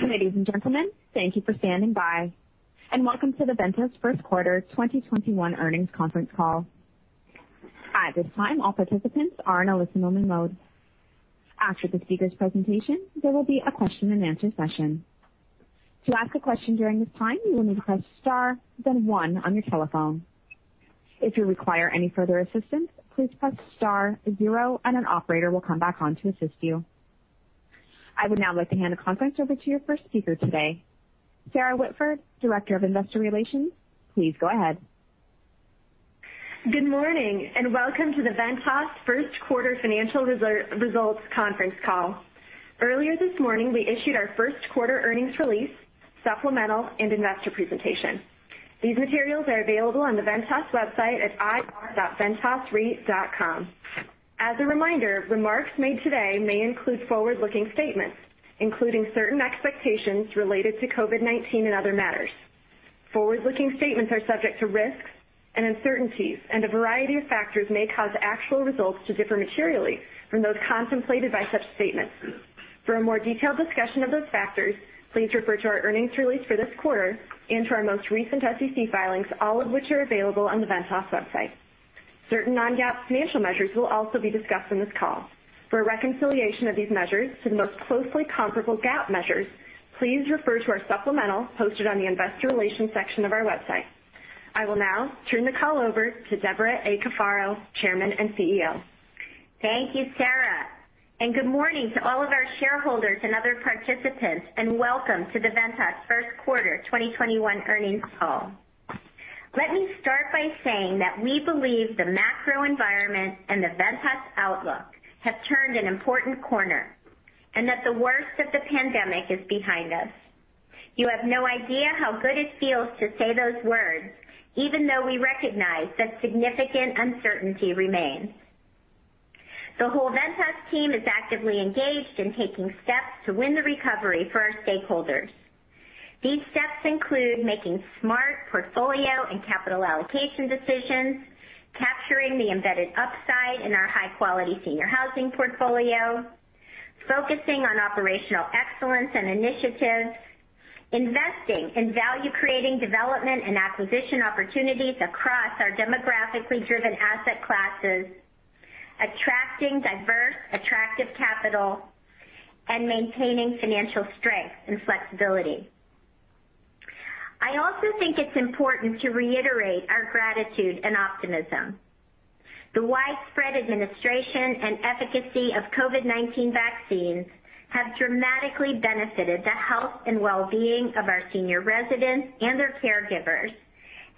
Ladies and gentlemen, thank you for standing by, and welcome to the Ventas first quarter 2021 earnings conference call. At this time, all participants are in a listen-only mode. After the speakers' presentation, there will be a question-and-answer session. To ask a question during that time, you may press star then one on your telephone. If you require any further assistance, please press star, zero, and an operator will come back on to assist you. I would now like to hand the conference over to your first speaker today, Sarah Whitford, Director of Investor Relations. Please go ahead. Good morning, and welcome to the Ventas first quarter financial results conference call. Earlier this morning, we issued our first quarter earnings release, supplemental, and investor presentation. These materials are available on the Ventas website at ir.ventasreit.com. As a reminder, remarks made today may include forward-looking statements, including certain expectations related to COVID-19 and other matters. Forward-looking statements are subject to risks and uncertainties, and a variety of factors may cause actual results to differ materially from those contemplated by such statements. For a more detailed discussion of those factors, please refer to our earnings release for this quarter and to our most recent SEC filings, all of which are available on the Ventas website. Certain non-GAAP financial measures will also be discussed on this call. For a reconciliation of these measures to the most closely comparable GAAP measures, please refer to our supplemental posted on the Investor Relations section of our website. I will now turn the call over to Debra A. Cafaro, Chairman and CEO. Thank you, Sarah, and good morning to all of our shareholders and other participants, and welcome to the Ventas first quarter 2021 earnings call. Let me start by saying that we believe the macro environment and the Ventas outlook have turned an important corner and that the worst of the pandemic is behind us. You have no idea how good it feels to say those words, even though we recognize that significant uncertainty remains. The whole Ventas team is actively engaged in taking steps to win the recovery for our stakeholders. These steps include making smart portfolio and capital allocation decisions, capturing the embedded upside in our high-quality senior housing portfolio, focusing on operational excellence and initiatives, investing in value-creating development and acquisition opportunities across our demographically driven asset classes, attracting diverse, attractive capital, and maintaining financial strength and flexibility. I also think it's important to reiterate our gratitude and optimism. The widespread administration and efficacy of COVID-19 vaccines have dramatically benefited the health and well-being of our senior residents and their caregivers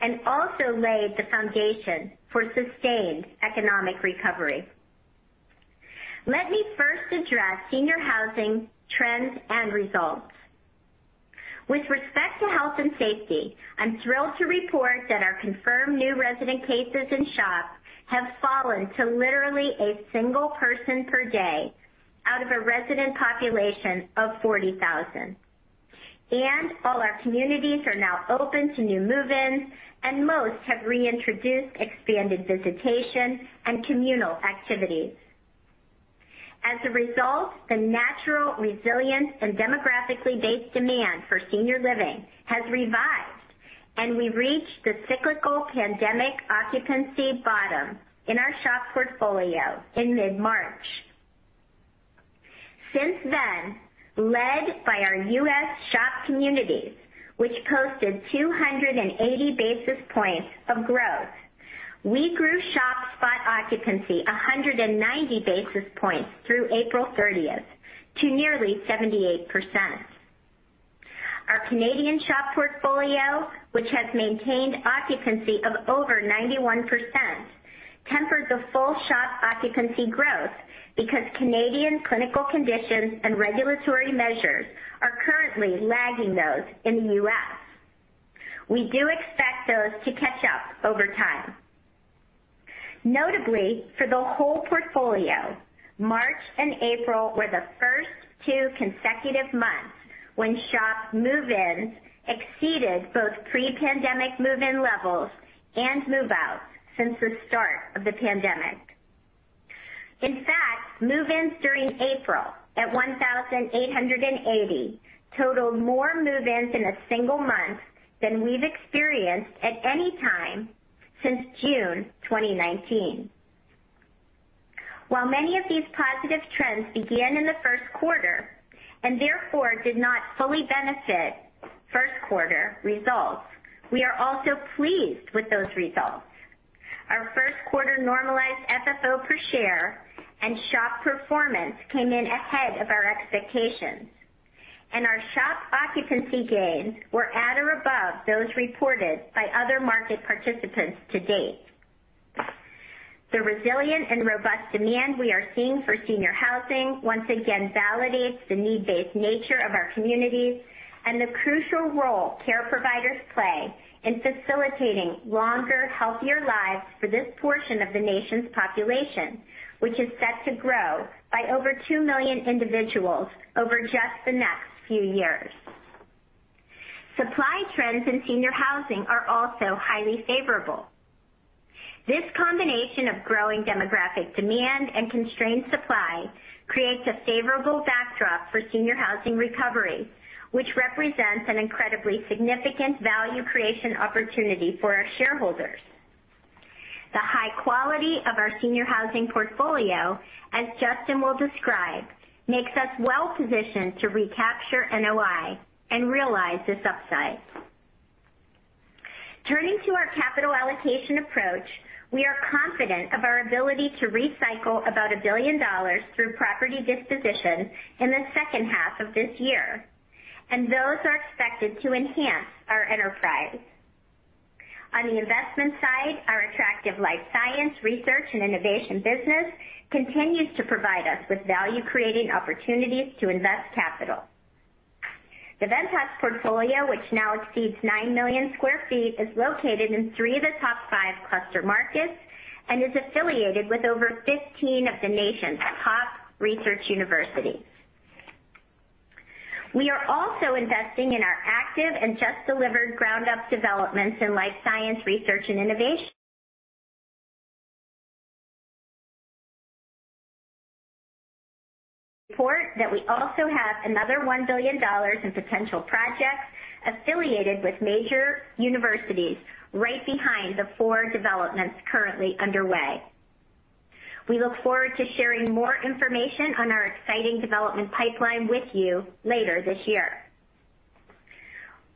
and also laid the foundation for sustained economic recovery. Let me first address senior housing trends and results. With respect to health and safety, I'm thrilled to report that our confirmed new resident cases in SHOP have fallen to literally one person per day out of a resident population of 40,000. All our communities are now open to new move-ins, and most have reintroduced expanded visitation and communal activities. As a result, the natural resilience and demographically based demand for Senior Living has revived, and we reached the cyclical pandemic occupancy bottom in our SHOP portfolio in mid-March. Since then, led by our U.S. SHOP communities, which posted 280 basis points of growth, we grew SHOP's spot occupancy 190 basis points through April 30th to nearly 78%. Our Canadian SHOP portfolio, which has maintained occupancy of over 91%, tempered the full SHOP occupancy growth because Canadian clinical conditions and regulatory measures are currently lagging those in the U.S. We do expect those to catch up over time. Notably, for the whole portfolio, March and April were the first two consecutive months when SHOP move-ins exceeded both pre-pandemic move-in levels and move-outs since the start of the pandemic. In fact, move-ins during April at 1,880 totaled more move-ins in a single month than we've experienced at any time since June 2019. While many of these positive trends began in the first quarter, and therefore did not fully benefit first quarter results, we are also pleased with those results. Our first quarter normalized FFO per share and SHOP performance came in ahead of our expectations. Our SHOP occupancy gains were at or above those reported by other market participants to date. The resilient and robust demand we are seeing for senior housing once again validates the need-based nature of our communities and the crucial role care providers play in facilitating longer, healthier lives for this portion of the nation's population, which is set to grow by over 2 million individuals over just the next few years. Supply trends in senior housing are also highly favorable. This combination of growing demographic demand and constrained supply creates a favorable backdrop for senior housing recovery, which represents an incredibly significant value creation opportunity for our shareholders. The high quality of our senior housing portfolio, as Justin will describe, makes us well-positioned to recapture NOI and realize this upside. Turning to our capital allocation approach, we are confident of our ability to recycle about $1 billion through property disposition in the second half of this year. Those are expected to enhance our enterprise. On the investment side, our attractive life science, research, and innovation business continues to provide us with value-creating opportunities to invest capital. The Ventas portfolio, which now exceeds 9 million sq ft, is located in three of the top five cluster markets and is affiliated with over 15 of the nation's top research universities. We are also investing in our active and just-delivered ground-up developments in life science, research, and innovation. We report that we also have another $1 billion in potential projects affiliated with major universities right behind the four developments currently underway. We look forward to sharing more information on our exciting development pipeline with you later this year.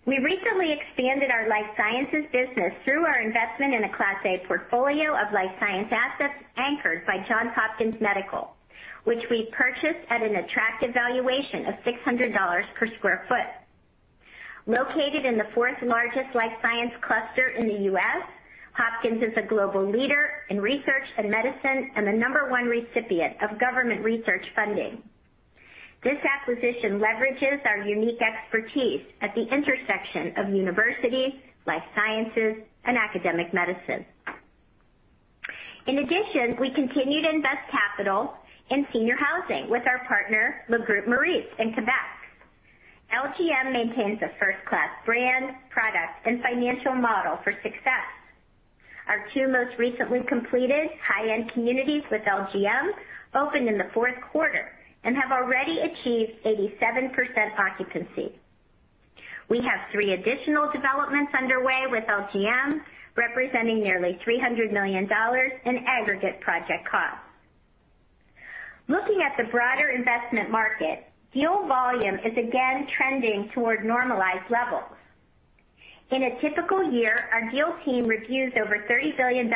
We recently expanded our life sciences business through our investment in a Class A portfolio of life science assets anchored by Johns Hopkins Medical, which we purchased at an attractive valuation of $600 per square foot. Located in the fourth-largest life science cluster in the U.S., Hopkins is a global leader in research and medicine and the number one recipient of government research funding. This acquisition leverages our unique expertise at the intersection of universities, life sciences, and academic medicine. We continue to invest capital in senior housing with our partner Le Groupe Maurice in Quebec. LGM maintains a first-class brand, product, and financial model for success. Our two most recently completed high-end communities with LGM opened in the fourth quarter and have already achieved 87% occupancy. We have three additional developments underway with LGM, representing nearly $300 million in aggregate project costs. Looking at the broader investment market, deal volume is again trending toward normalized levels. In a typical year, our deals team reviews over $30 billion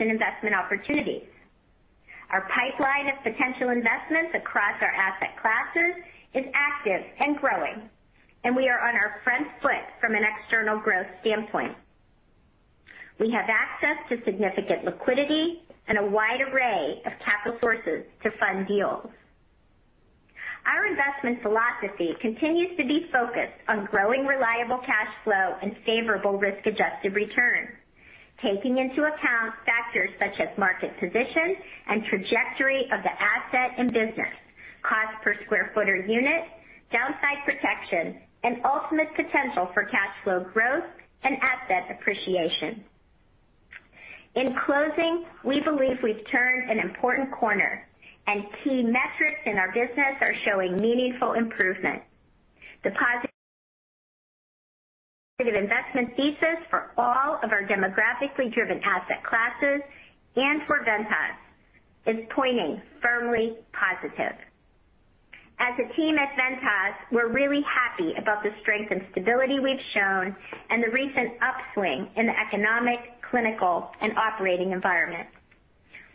in investment opportunities. Our pipeline of potential investments across our asset classes is active and growing, and we are on our front foot from an external growth standpoint. We have access to significant liquidity and a wide array of capital sources to fund deals. Our investment philosophy continues to be focused on growing reliable cash flow and favorable risk-adjusted returns, taking into account factors such as market position and trajectory of the asset and business, cost per square foot or unit, downside protection, and ultimate potential for cash flow growth and asset appreciation. In closing, we believe we've turned an important corner, and key metrics in our business are showing meaningful improvement. The positive investment thesis for all of our demographically driven asset classes and for Ventas is pointing firmly positive. As a team at Ventas, we're really happy about the strength and stability we've shown and the recent upswing in the economic, clinical, and operating environment.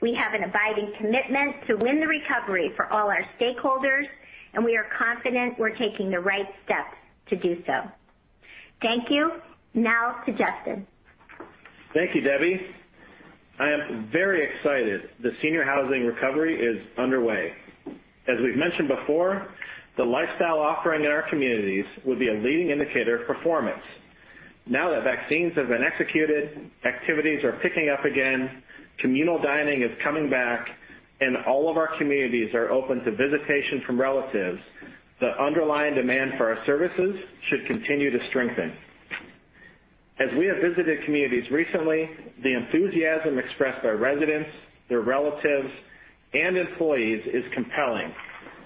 We have an abiding commitment to win the recovery for all our stakeholders, and we are confident we're taking the right steps to do so. Thank you. Now to Justin. Thank you, Debbie. I am very excited that senior housing recovery is underway. As we've mentioned before, the lifestyle offering in our communities will be a leading indicator of performance. Now that vaccines have been executed, activities are picking up again, communal dining is coming back, and all of our communities are open to visitation from relatives, the underlying demand for our services should continue to strengthen. As we have visited communities recently, the enthusiasm expressed by residents, their relatives, and employees is compelling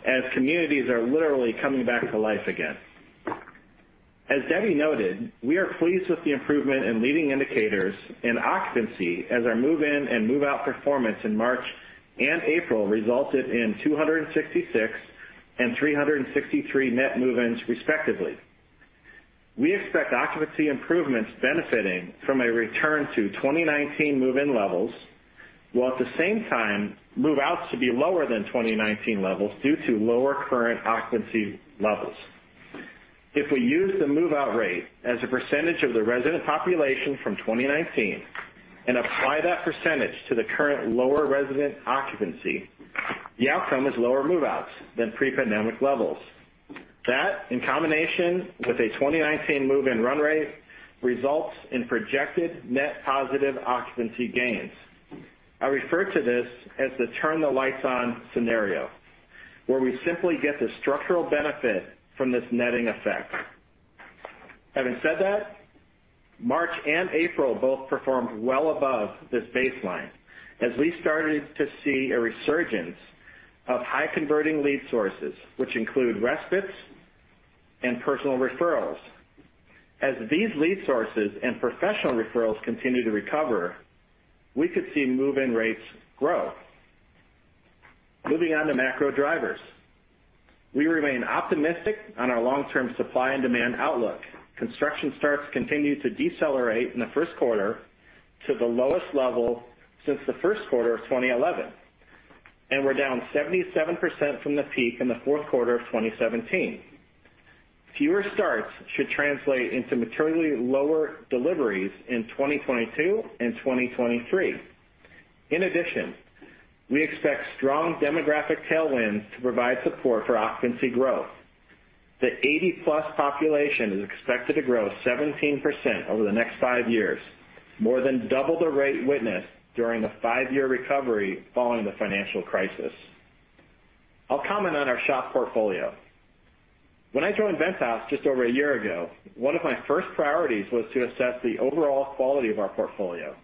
as communities are literally coming back to life again. As Debbie noted, we are pleased with the improvement in leading indicators in occupancy as our move-in and move-out performance in March and April resulted in 266 and 363 net move-ins respectively. We expect occupancy improvements benefitting from a return to 2019 move-in levels, while at the same time, move-outs to be lower than 2019 levels due to lower current occupancy levels. If we use the move-out rate as a percentage of the resident population from 2019 and apply that percentage to the current lower resident occupancy, the outcome is lower move-outs than pre-pandemic levels. That, in combination with a 2019 move-in run rate, results in projected net positive occupancy gains. I refer to this as the turn the lights on scenario. Where we simply get the structural benefit from this netting effect. Having said that, March and April both performed well above this baseline as we started to see a resurgence of high-converting lead sources, which include respites and personal referrals. These lead sources and professional referrals continue to recover, we could see move-in rates grow. Moving on to macro drivers. We remain optimistic on our long-term supply and demand outlook. Construction starts continued to decelerate in the first quarter to the lowest level since the first quarter of 2011, and we're down 77% from the peak in the fourth quarter of 2017. Fewer starts should translate into materially lower deliveries in 2022 and 2023. In addition, we expect strong demographic tailwinds to provide support for occupancy growth. The 80+ population is expected to grow 17% over the next five years, more than double the rate witnessed during the five-year recovery following the financial crisis. I'll comment on our SHOP portfolio. When I joined Ventas just over a year ago, one of my first priorities was to assess the overall quality of our portfolio.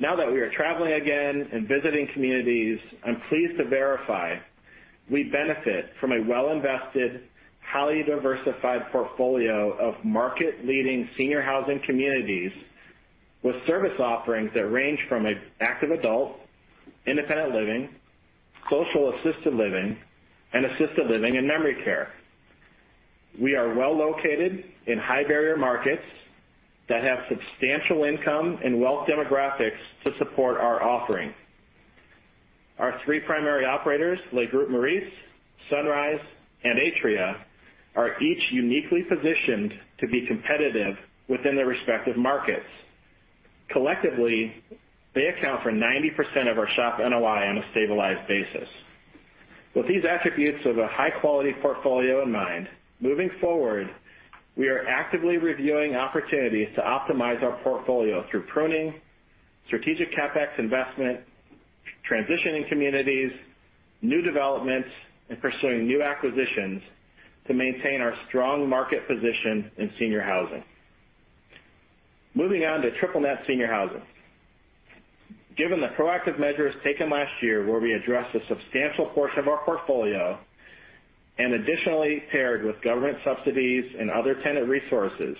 Now that we are traveling again and visiting communities, I'm pleased to verify we benefit from a well-invested, highly diversified portfolio of market-leading senior housing communities with service offerings that range from active adult, independent living, social assisted living, and assisted living and memory care. We are well located in high-barrier markets that have substantial income and wealth demographics to support our offering. Our three primary operators, Le Groupe Maurice, Sunrise, and Atria, are each uniquely positioned to be competitive within their respective markets. Collectively, they account for 90% of our SHOP NOI on a stabilized basis. With these attributes of a high-quality portfolio in mind, moving forward, we are actively reviewing opportunities to optimize our portfolio through pruning, strategic CapEx investment, transitioning communities, new developments, and pursuing new acquisitions to maintain our strong market position in senior housing. Moving on to triple-net senior housing. Given the proactive measures taken last year where we addressed a substantial portion of our portfolio, and additionally paired with government subsidies and other tenant resources,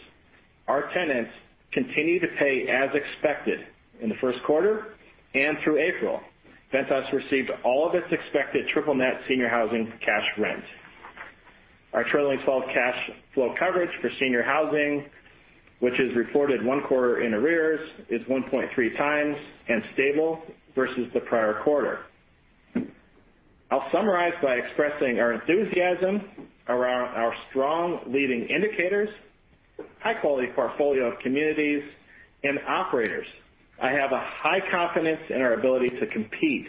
our tenants continue to pay as expected in the first quarter and through April. Ventas received all of its expected triple-net senior housing cash rent. Our trailing 12 cash flow coverage for senior housing, which is reported one quarter in arrears, is 1.3x and stable versus the prior quarter. I'll summarize by expressing our enthusiasm around our strong leading indicators, high-quality portfolio of communities, and operators. I have a high confidence in our ability to compete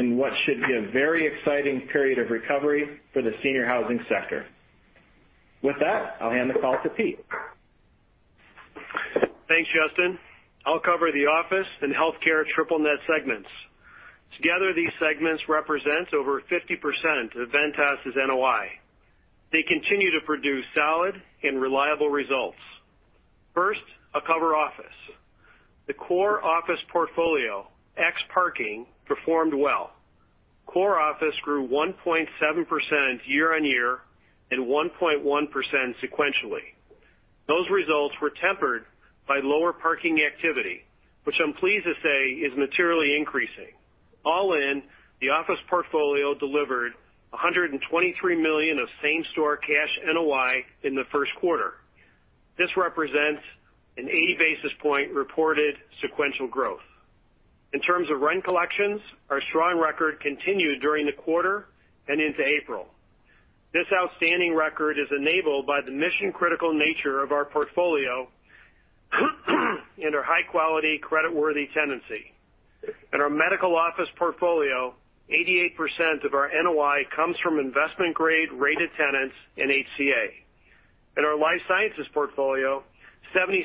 in what should be a very exciting period of recovery for the senior housing sector. With that, I'll hand the call to Pete. Thanks, Justin. I'll cover the office and healthcare triple-net segments. Together, these segments represent over 50% of Ventas' NOI. They continue to produce solid and reliable results. First, I'll cover office. The core office portfolio, ex parking, performed well. Core office grew 1.7% year-on-year and 1.1% sequentially. Those results were tempered by lower parking activity, which I'm pleased to say is materially increasing. All in, the office portfolio delivered $123 million of same-store cash NOI in the first quarter. This represents an 80 basis points reported sequential growth. In terms of rent collections, our strong record continued during the quarter and into April. This outstanding record is enabled by the mission-critical nature of our portfolio and our high-quality, credit-worthy tenancy. In our medical office portfolio, 88% of our NOI comes from investment-grade rated tenants in HCA. In our life sciences portfolio, 76%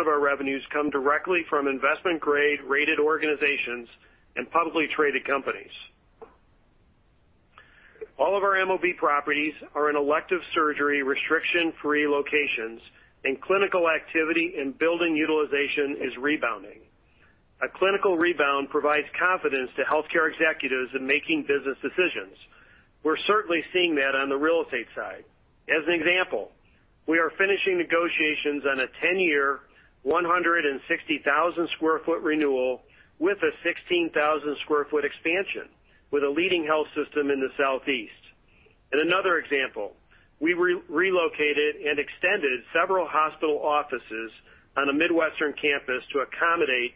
of our revenues come directly from investment-grade rated organizations and publicly traded companies. All of our MOB properties are in elective surgery restriction-free locations, and clinical activity and building utilization is rebounding. A clinical rebound provides confidence to healthcare executives in making business decisions. We're certainly seeing that on the real estate side. As an example, we are finishing negotiations on a 10-year, 160,000 sq ft renewal with a 16,000 sq ft expansion with a leading health system in the Southeast. Another example, we relocated and extended several hospital offices on a Midwestern campus to accommodate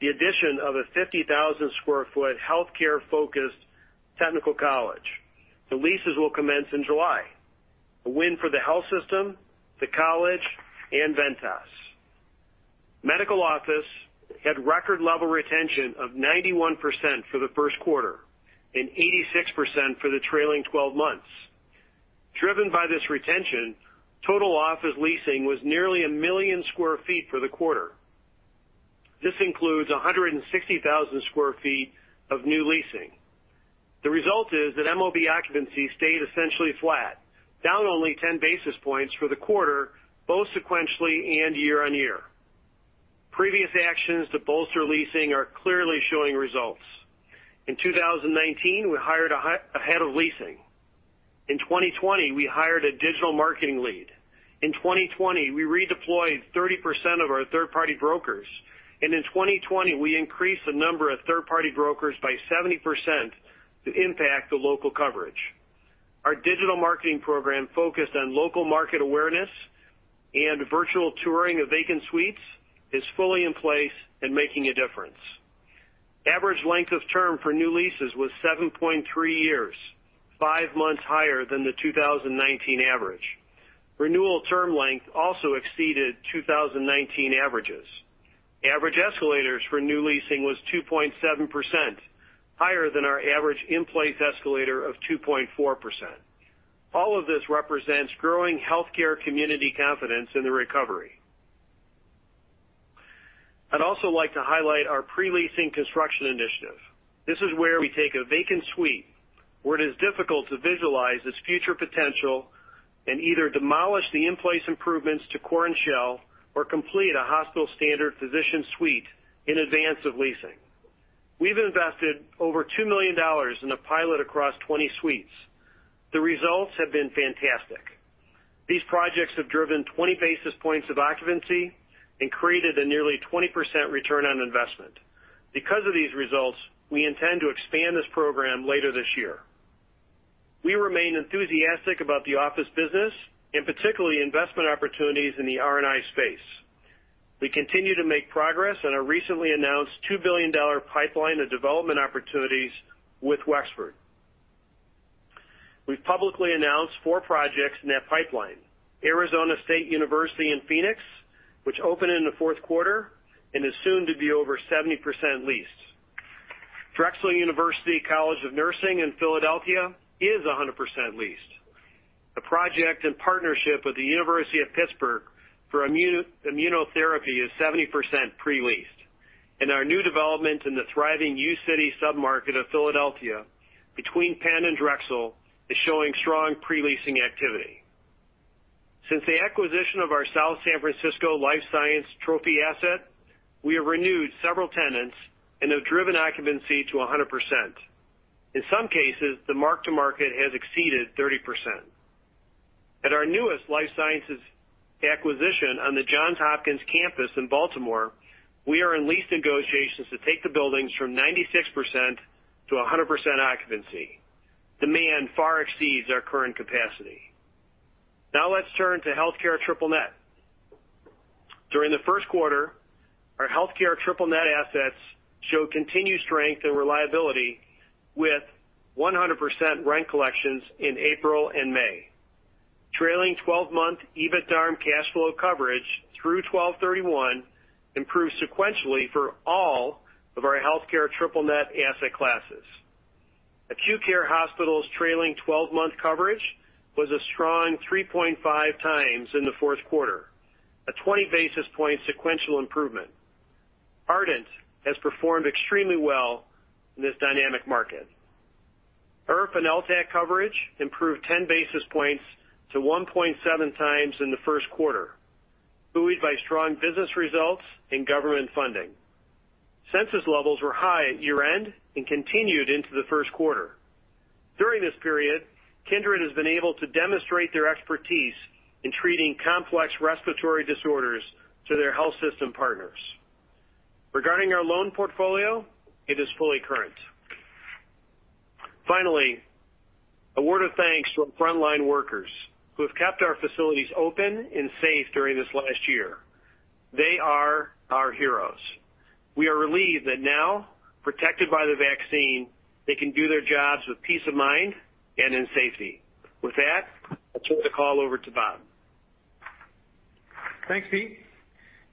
the addition of a 50,000 sq ft healthcare-focused technical college. The leases will commence in July, a win for the health system, the college, and Ventas. Medical office had record level retention of 91% for the first quarter and 86% for the trailing 12 months. Driven by this retention, total office leasing was nearly 1 million sq ft for the quarter. This includes 160,000 sq ft of new leasing. The result is that MOB occupancy stayed essentially flat, down only 10 basis points for the quarter, both sequentially and year-on-year. Previous actions to bolster leasing are clearly showing results. In 2019, we hired a head of leasing. In 2020, we hired a digital marketing lead. In 2020, we redeployed 30% of our third-party brokers, and in 2020, we increased the number of third-party brokers by 70% to impact the local coverage. Our digital marketing program focused on local market awareness and virtual touring of vacant suites is fully in place and making a difference. Average length of term for new leases was 7.3 years, five months higher than the 2019 average. Renewal term length also exceeded 2019 averages. Average escalators for new leasing was 2.7%, higher than our average in-place escalator of 2.4%. All of this represents growing healthcare community confidence in the recovery. I'd also like to highlight our pre-leasing construction initiative. This is where we take a vacant suite, where it is difficult to visualize its future potential, and either demolish the in-place improvements to core and shell or complete a hospital standard physician suite in advance of leasing. We've invested over $2 million in a pilot across 20 suites. The results have been fantastic. These projects have driven 20 basis points of occupancy and created a nearly 20% return on investment. Because of these results, we intend to expand this program later this year. We remain enthusiastic about the office business, and particularly investment opportunities in the R&I space. We continue to make progress on our recently announced $2 billion pipeline of development opportunities with Wexford. We've publicly announced four projects in that pipeline. Arizona State University in Phoenix, which opened in the fourth quarter and is soon to be over 70% leased. Drexel University College of Nursing in Philadelphia is 100% leased. A project in partnership with the University of Pittsburgh for immunotherapy is 70% pre-leased. Our new development in the thriving uCity sub-market of Philadelphia between Penn and Drexel is showing strong pre-leasing activity. Since the acquisition of our South San Francisco Life science trophy asset, we have renewed several tenants and have driven occupancy to 100%. In some cases, the mark-to-market has exceeded 30%. At our newest life sciences acquisition on the Johns Hopkins campus in Baltimore, we are in lease negotiations to take the buildings from 96% to 100% occupancy. Demand far exceeds our current capacity. Now let's turn to healthcare triple-net. During the first quarter, our healthcare triple-net assets showed continued strength and reliability with 100% rent collections in April and May. Trailing 12-month EBITDA and cash flow coverage through 12/31 improved sequentially for all of our healthcare triple-net asset classes. Acute care hospitals' trailing 12-month coverage was a strong 3.5x in the fourth quarter, a 20 basis point sequential improvement. Ardent has performed extremely well in this dynamic market. IRF and LTAC coverage improved 10 basis points to 1.7x in the first quarter, buoyed by strong business results and government funding. Census levels were high at year-end and continued into the first quarter. During this period, Kindred has been able to demonstrate their expertise in treating complex respiratory disorders to their health system partners. Regarding our loan portfolio, it is fully current. Finally, a word of thanks from frontline workers who have kept our facilities open and safe during this last year. They are our heroes. We are relieved that now, protected by the vaccine, they can do their jobs with peace of mind and in safety. With that, I'll turn the call over to Bob. Thanks, Pete.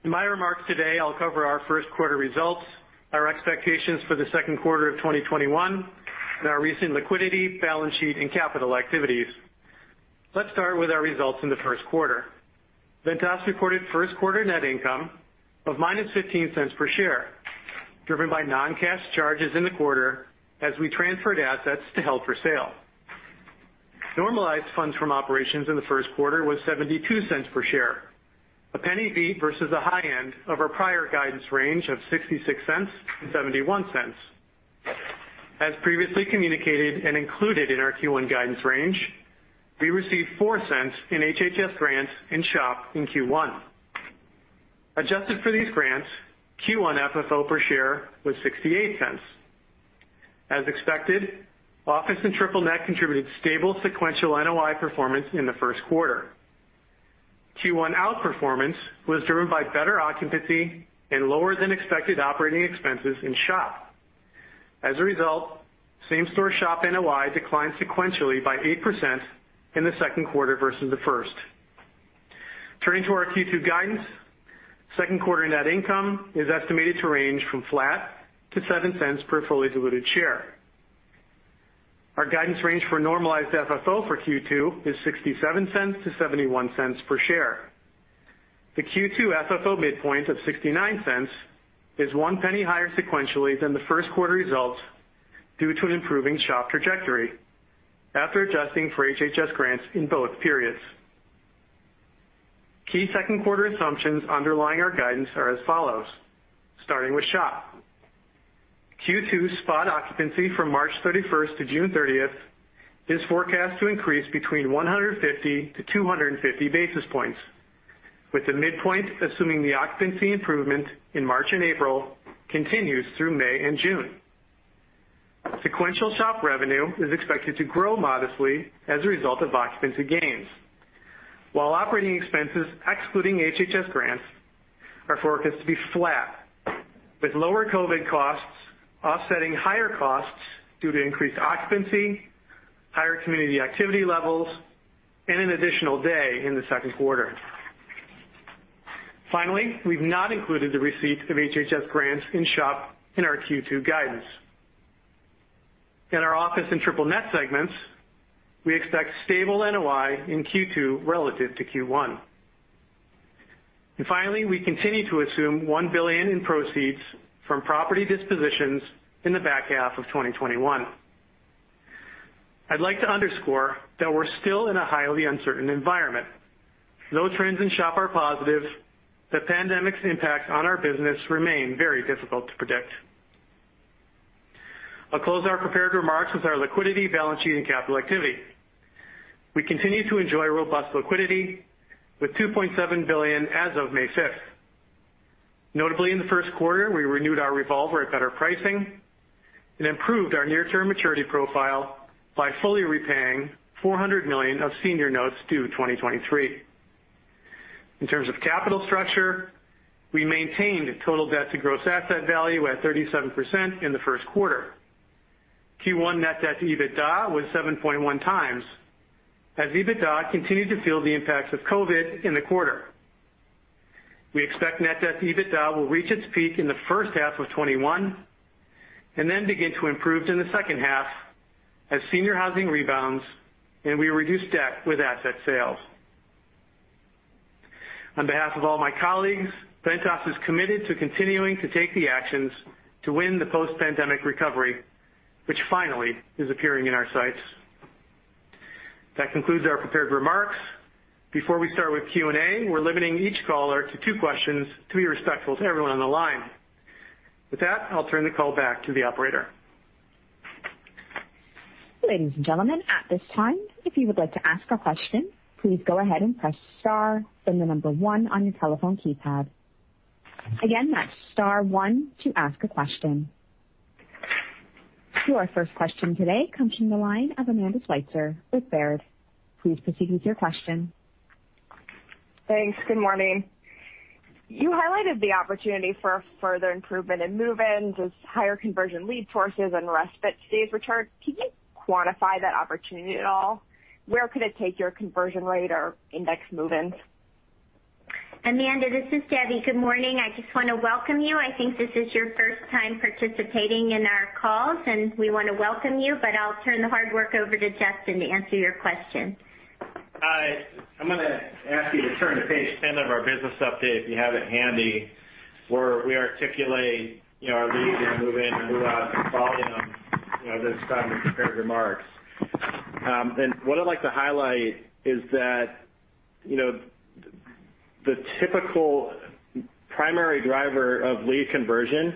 In my remarks today, I'll cover our first quarter results, our expectations for the second quarter of 2021, and our recent liquidity, balance sheet, and capital activities. Let's start with our results in the first quarter. Ventas reported first quarter net income of -$0.15 per share, driven by non-cash charges in the quarter as we transferred assets to held for sale. Normalized funds from operations in the first quarter was $0.72 per share, a $0.01 beat versus the high end of our prior guidance range of $0.66 and $0.71. As previously communicated and included in our Q1 guidance range, we received $0.04 in HHS grants in SHOP in Q1. Adjusted for these grants, Q1 FFO per share was $0.68. As expected, office and triple-net contributed stable sequential NOI performance in the first quarter. Q1 outperformance was driven by better occupancy and lower than expected operating expenses in SHOP. Same store SHOP NOI declined sequentially by 8% in the second quarter versus the first. Turning to our Q2 guidance, second quarter net income is estimated to range from flat to $0.07 per fully diluted share. Our guidance range for normalized FFO for Q2 is $0.67-$0.71 per share. The Q2 FFO midpoint of $0.69 is $0.01 higher sequentially than the first quarter results due to an improving SHOP trajectory after adjusting for HHS grants in both periods. Key second quarter assumptions underlying our guidance are as follows. Starting with SHOP. Q2 spot occupancy from March 31st to June 30th is forecast to increase between 150 basis points-250 basis points, with the midpoint assuming the occupancy improvement in March and April continues through May and June. Sequential SHOP revenue is expected to grow modestly as a result of occupancy gains, while operating expenses excluding HHS grants are forecast to be flat, with lower COVID costs offsetting higher costs due to increased occupancy, higher community activity levels, and an additional day in the second quarter. We've not included the receipt of HHS grants in SHOP in our Q2 guidance. In our office and triple-net segments, we expect stable NOI in Q2 relative to Q1. Finally, we continue to assume $1 billion in proceeds from property dispositions in the back half of 2021. I'd like to underscore that we're still in a highly uncertain environment. Trends in SHOP are positive, the pandemic's impact on our business remain very difficult to predict. I'll close our prepared remarks with our liquidity, balance sheet, and capital activity. We continue to enjoy robust liquidity with $2.7 billion as of May 5th. Notably, in the first quarter, we renewed our revolver at better pricing and improved our near-term maturity profile by fully repaying $400 million of senior notes due 2023. In terms of capital structure, we maintained total debt to gross asset value at 37% in the first quarter. Q1 net debt to EBITDA was 7.1x, as EBITDA continued to feel the impacts of COVID in the quarter. We expect net debt to EBITDA will reach its peak in the first half of 2021, and then begin to improve in the second half as senior housing rebounds and we reduce debt with asset sales. On behalf of all my colleagues, Ventas is committed to continuing to take the actions to win the post-pandemic recovery, which finally is appearing in our sights. That concludes our prepared remarks. Before we start with Q&A, we're limiting each caller to two questions to be respectful to everyone on the line. With that, I'll turn the call back to the operator. Ladies and gentlemen, at this time, if you would like to ask a question, please go ahead and press star, then the number one on your telephone keypad. Again, that's star one to ask a question. Our first question today comes from the line of Amanda Sweitzer with Baird. Please proceed with your question. Thanks. Good morning. You highlighted the opportunity for further improvement in move-ins as higher conversion lead sources and respite stays return. Can you quantify that opportunity at all? Where could it take your conversion rate or index move-ins? Amanda, this is Debbie. Good morning. I just want to welcome you. I think this is your first time participating in our calls, and we want to welcome you, but I'll turn the hard work over to Justin to answer your question. Hi. I'm going to ask you to turn to page 10 of our business update, if you have it handy, where we articulate our leads and move-in and move-out volume this time in the prepared remarks. What I'd like to highlight is that the typical primary driver of lead conversion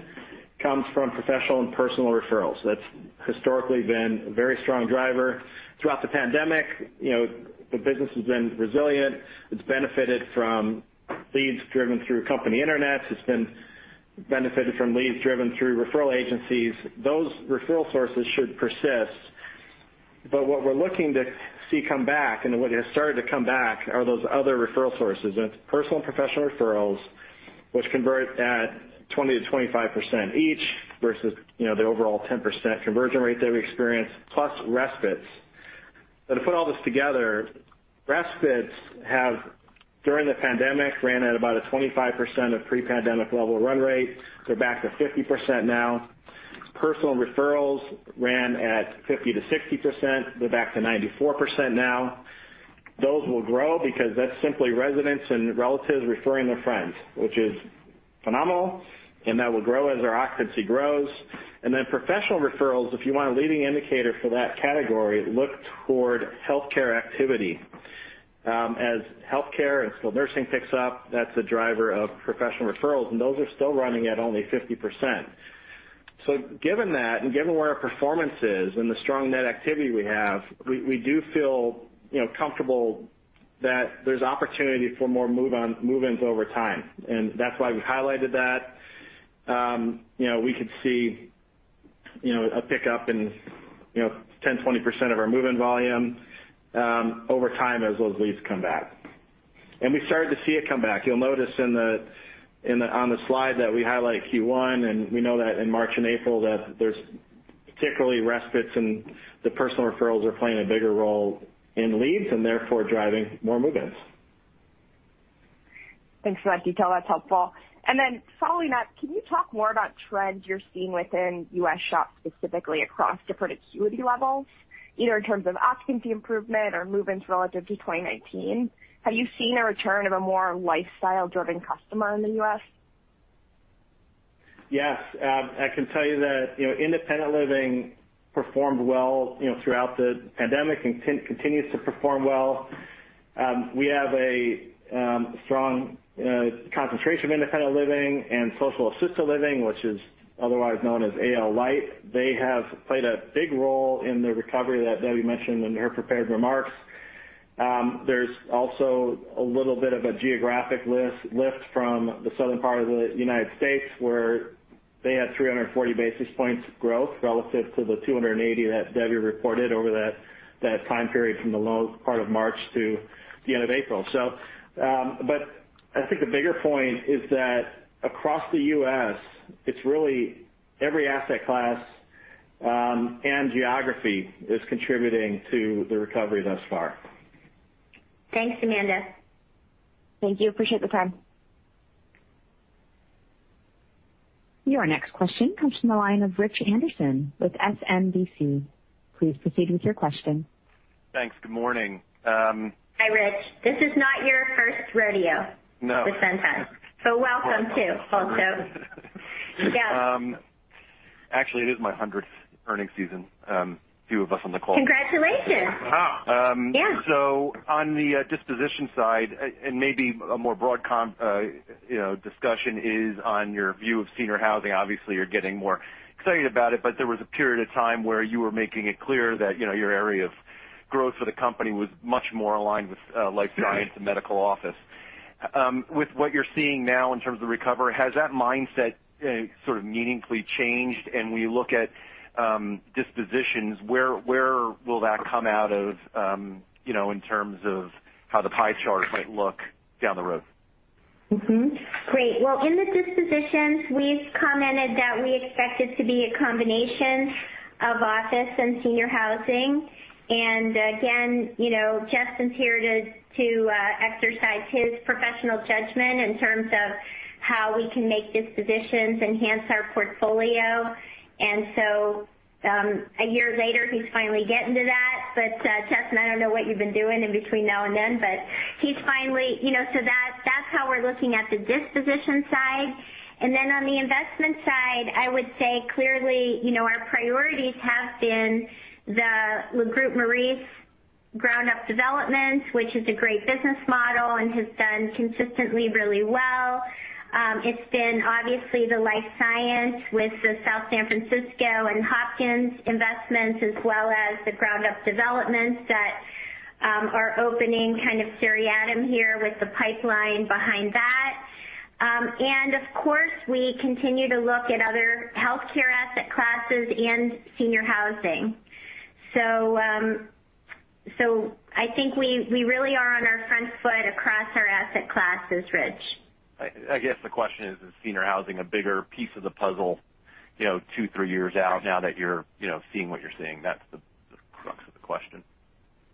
comes from professional and personal referrals. That's historically been a very strong driver throughout the pandemic. The business has been resilient. It's benefited from leads driven through company internets. It's been benefited from leads driven through referral agencies. Those referral sources should persist. What we're looking to see come back, and what has started to come back are those other referral sources, personal and professional referrals, which convert at 20%-25% each versus the overall 10% conversion rate that we experience, plus respites. To put all this together, respites have, during the pandemic, ran at about a 25% of pre-pandemic level run rate. They're back to 50% now. Personal referrals ran at 50%-60%, they're back to 94% now. Those will grow because that's simply residents and relatives referring their friends, which is phenomenal, and that will grow as our occupancy grows. Then professional referrals, if you want a leading indicator for that category, look toward healthcare activity. As healthcare and skilled nursing picks up, that's a driver of professional referrals, and those are still running at only 50%. Given that and given where our performance is and the strong net activity we have, we do feel comfortable that there's opportunity for more move-ins over time, and that's why we highlighted that. We could see a pickup in 10%, 20% of our move-in volume over time as those leads come back. We started to see it come back. You'll notice on the slide that we highlight Q1, and we know that in March and April that there's particularly respites and the personal referrals are playing a bigger role in leads and therefore driving more move-ins. Thanks for that detail. That's helpful. Following that, can you talk more about trends you're seeing within U.S. SHOPs, specifically across different acuity levels, either in terms of occupancy improvement or movements relative to 2019? Have you seen a return of a more lifestyle-driven customer in the U.S.? Yes. I can tell you that independent living performed well throughout the pandemic and continues to perform well. We have a strong concentration of independent living and social assisted living, which is otherwise known as AL lite. They have played a big role in the recovery that Debbie mentioned in her prepared remarks. There's also a little bit of a geographic lift from the southern part of the U.S., where they had 340 basis points growth relative to the 280 basis points that Debbie reported over that time period from the low part of March to the end of April. I think the bigger point is that across the U.S., it's really every asset class and geography is contributing to the recovery thus far. Thanks, Amanda. Thank you. Appreciate the time. Your next question comes from the line of Rich Anderson with SMBC. Please proceed with your question. Thanks. Good morning. Hi, Rich. This is not your first rodeo. No With Ventas, welcome too. Also, yeah. Actually, it is my 100th earning season. Few of us on the call. Congratulations. Wow. Yeah. On the disposition side, and maybe a more broad discussion is on your view of senior housing. Obviously, you're getting more excited about it, but there was a period of time where you were making it clear that your area of growth for the company was much more aligned with life science and medical office. With what you're seeing now in terms of the recovery, has that mindset sort of meaningfully changed? When you look at dispositions, where will that come out of in terms of how the pie chart might look down the road? Great. Well, in the dispositions, we've commented that we expect it to be a combination of office and senior housing. Again, Justin's here to exercise his professional judgment in terms of how we can make dispositions enhance our portfolio. A year later, he's finally getting to that. Justin, I don't know what you've been doing in between now and then. That's how we're looking at the disposition side. Then on the investment side, I would say, clearly, our priorities have been the Le Groupe Maurice ground-up developments, which is a great business model and has done consistently really well. It's been obviously the life science with the South San Francisco and Hopkins investments, as well as the ground-up developments that are opening kind of seriatim here with the pipeline behind that. Of course, we continue to look at other healthcare asset classes and senior housing. I think we really are on our front foot across our asset classes, Rich. I guess the question is senior housing a bigger piece of the puzzle two, three years out now that you're seeing what you're seeing? That's the question.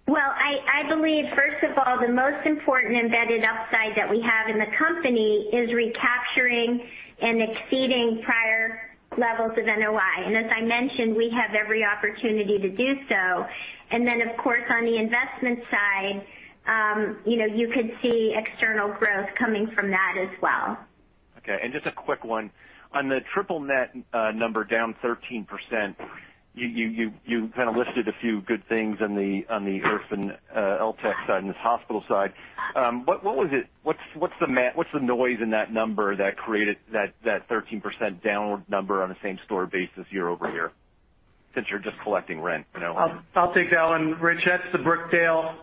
Well, I believe, first of all, the most important embedded upside that we have in the company is recapturing and exceeding prior levels of NOI. As I mentioned, we have every opportunity to do so. Of course, on the investment side, you could see external growth coming from that as well. Just a quick one. On the triple-net number down 13%, you kind of listed a few good things on the IRF and LTCH side and this hospital side. What's the noise in that number that created that 13% downward number on a same-store basis year-over-year, since you're just collecting rent? I'll take that one, Rich. That's the Brookdale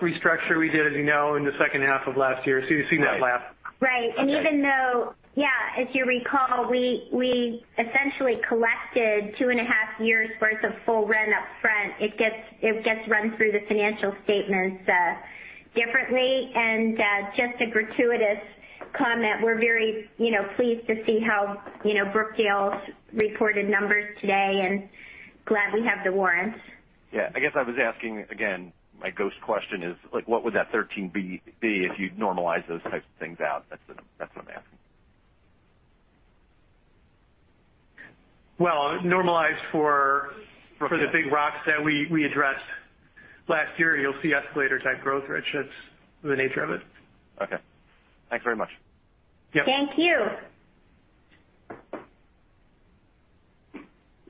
restructure we did, as you know, in the second half of last year. You've seen that lap. Right. If you recall, we essentially collected 2.5 years' worth of full rent up front. It gets run through the financial statements differently. Just a gratuitous comment, we're very pleased to see how Brookdale's reported numbers today, and glad we have the warrants. I guess I was asking again, my ghost question is, what would that 13% be if you normalize those types of things out? That's what I'm asking. Well, normalized for the big rocks that we addressed last year, you'll see escalator-type growth, Rich. That's the nature of it. Okay. Thanks very much. Yep. Thank you.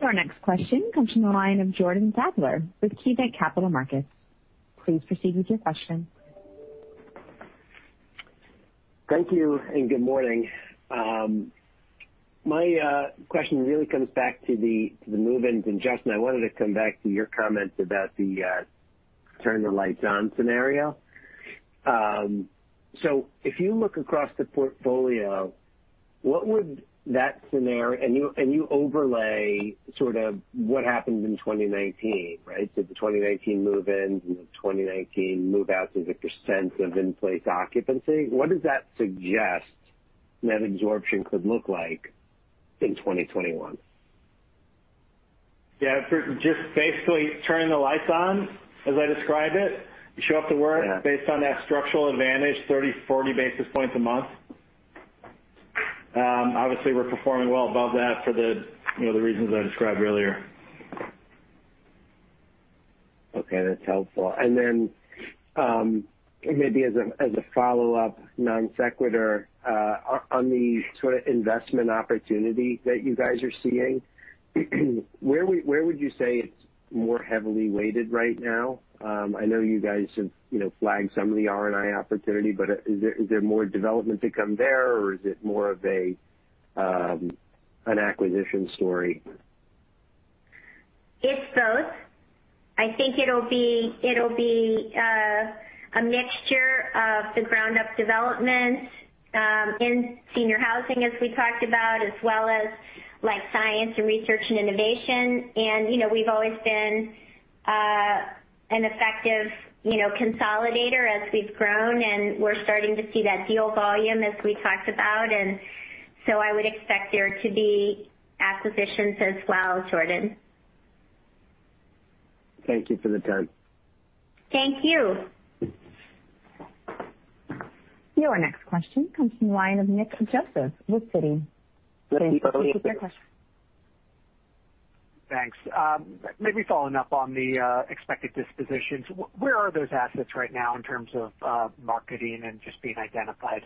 Our next question comes from the line of Jordan Sadler with KeyBanc Capital Markets. Please proceed with your question. Thank you. Good morning. My question really comes back to the move-ins. Justin, I wanted to come back to your comments about the turn the lights on scenario. If you look across the portfolio, and you overlay sort of what happened in 2019, right? The 2019 move-ins and the 2019 move-outs as a percent of in-place occupancy, what does that suggest net absorption could look like in 2021? Just basically turning the lights on, as I describe it. You show up to work based on that structural advantage, 30 basis points-40 basis points a month. Obviously, we're performing well above that for the reasons I described earlier. Okay, that's helpful. Maybe as a follow-up non-sequitur, on the sort of investment opportunity that you guys are seeing, where would you say it's more heavily weighted right now? I know you guys have flagged some of the R&I opportunity, but is there more development to come there, or is it more of an acquisition story? It's both. I think it'll be a mixture of the ground-up development in senior housing as we talked about, as well as science and research and innovation. We've always been an effective consolidator as we've grown, and we're starting to see that deal volume as we talked about. I would expect there to be acquisitions as well, Jordan. Thank you for the color. Thank you. Your next question comes from the line of Nick Joseph with Citi. Please proceed with your question. Thanks. Maybe following up on the expected dispositions. Where are those assets right now in terms of marketing and just being identified?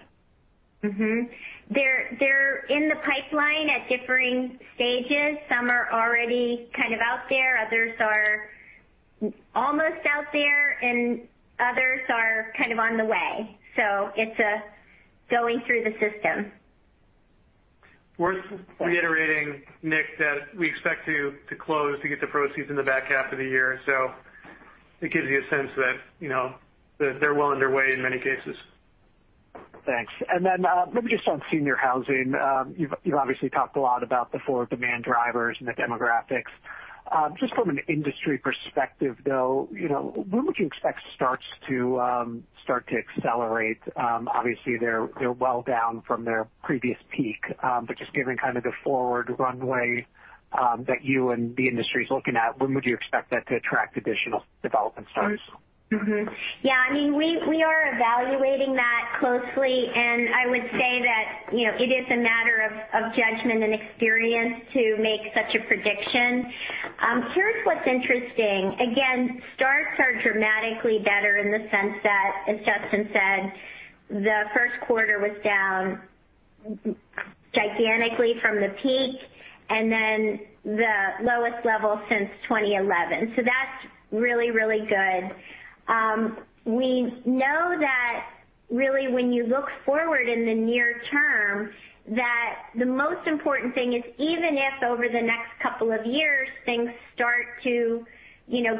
They're in the pipeline at differing stages. Some are already kind of out there, others are almost out there, and others are kind of on the way. It's going through the system. Worth reiterating, Nick, that we expect to close to get the proceeds in the back half of the year. It gives you a sense that they're well underway in many cases. Thanks. Then, maybe just on senior housing. You've obviously talked a lot about the forward demand drivers and the demographics. Just from an industry perspective, though, when would you expect starts to start to accelerate? Obviously, they're well down from their previous peak. Just given kind of the forward runway that you and the industry's looking at, when would you expect that to attract additional development starts? Mm-hmm. Yeah, we are evaluating that closely, and I would say that it is a matter of judgment and experience to make such a prediction. Here's what's interesting. Again, starts are dramatically better in the sense that, as Justin said, the first quarter was down gigantically from the peak, and then the lowest level since 2011. That's really, really good. We know that really when you look forward in the near term, the most important thing is even if over the next couple of years things start to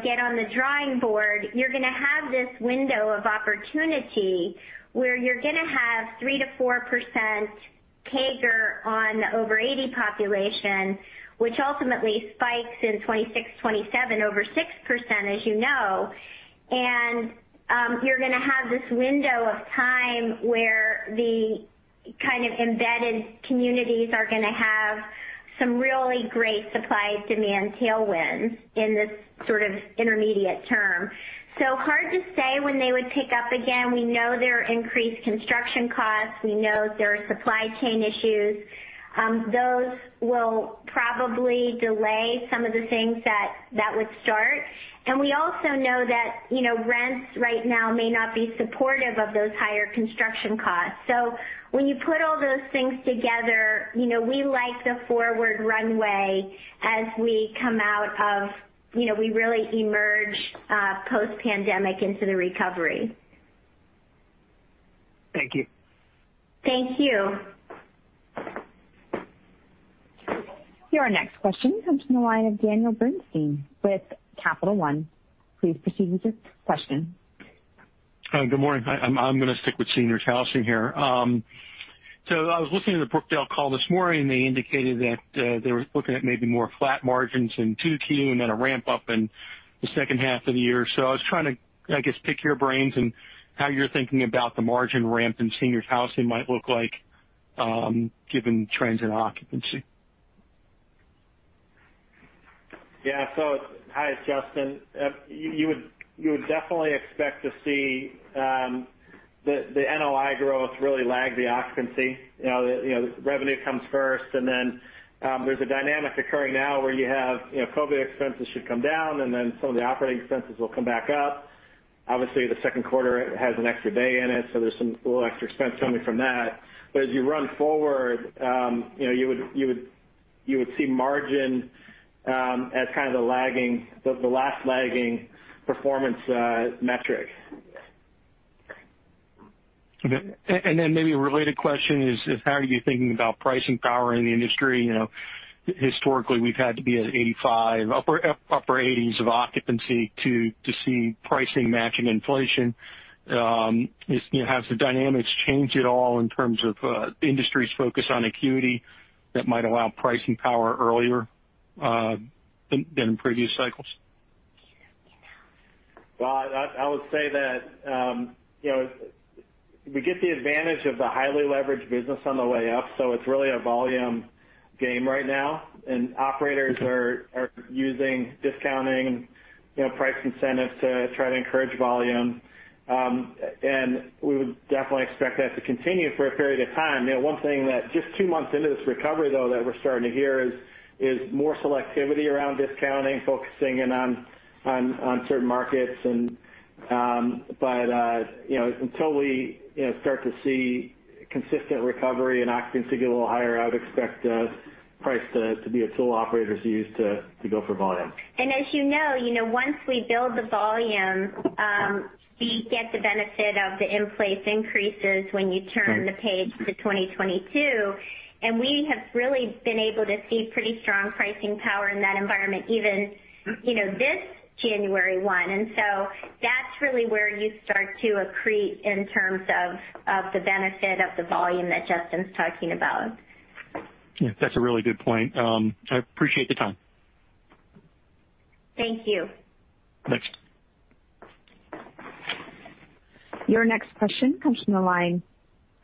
get on the drawing board, you're going to have this window of opportunity where you're going to have 3%-4% CAGR on over 80 population, which ultimately spikes in 2026, 2027 over 6%, as you know. You're going to have this window of time where the kind of embedded communities are going to have some really great supply-demand tailwinds in this sort of intermediate term. Hard to say when they would pick up again. We know there are increased construction costs. We know there are supply chain issues. Those will probably delay some of the things that would start. We also know that rents right now may not be supportive of those higher construction costs. When you put all those things together, we like the forward runway as we really emerge post-pandemic into the recovery. Thank you. Thank you. Your next question comes from the line of Daniel Bernstein with Capital One. Please proceed with your question. Hi. Good morning. I'm going to stick with seniors housing here. I was looking at the Brookdale call this morning, and they indicated that they were looking at maybe more flat margins in 2Q and then a ramp-up in the second half of the year. I was trying to pick your brains on how you're thinking about the margin ramp in senior housing might look like given trends in occupancy. Hi, it's Justin. You would definitely expect to see the NOI growth really lag the occupancy. Revenue comes first. There's a dynamic occurring now where you have COVID expenses should come down, some of the operating expenses will come back up. Obviously, the second quarter has an extra day in it. There's some little extra expense coming from that. As you run forward, you would see margin as kind of the last lagging performance metric. Okay. Maybe a related question is how are you thinking about pricing power in the industry? Historically, we've had to be at 85%, upper 80%s of occupancy to see pricing matching inflation. Has the dynamics changed at all in terms of the industry's focus on acuity that might allow pricing power earlier than in previous cycles? Well, I would say that we get the advantage of the highly leveraged business on the way up, so it's really a volume game right now. Operators are using discounting price incentives to try to encourage volume. We would definitely expect that to continue for a period of time. One thing that just two months into this recovery, though, that we're starting to hear is more selectivity around discounting, focusing in on certain markets. Until we start to see consistent recovery and occupancies get a little higher, I would expect price to be a tool operators use to go for volume. As you know, once we build the volume, we get the benefit of the in-place increases when you turn the page to 2022. We have really been able to see pretty strong pricing power in that environment, even this January 1. That's really where you start to accrete in terms of the benefit of the volume that Justin's talking about. Yeah, that's a really good point. I appreciate the time. Thank you. Thanks. Your next question comes from the line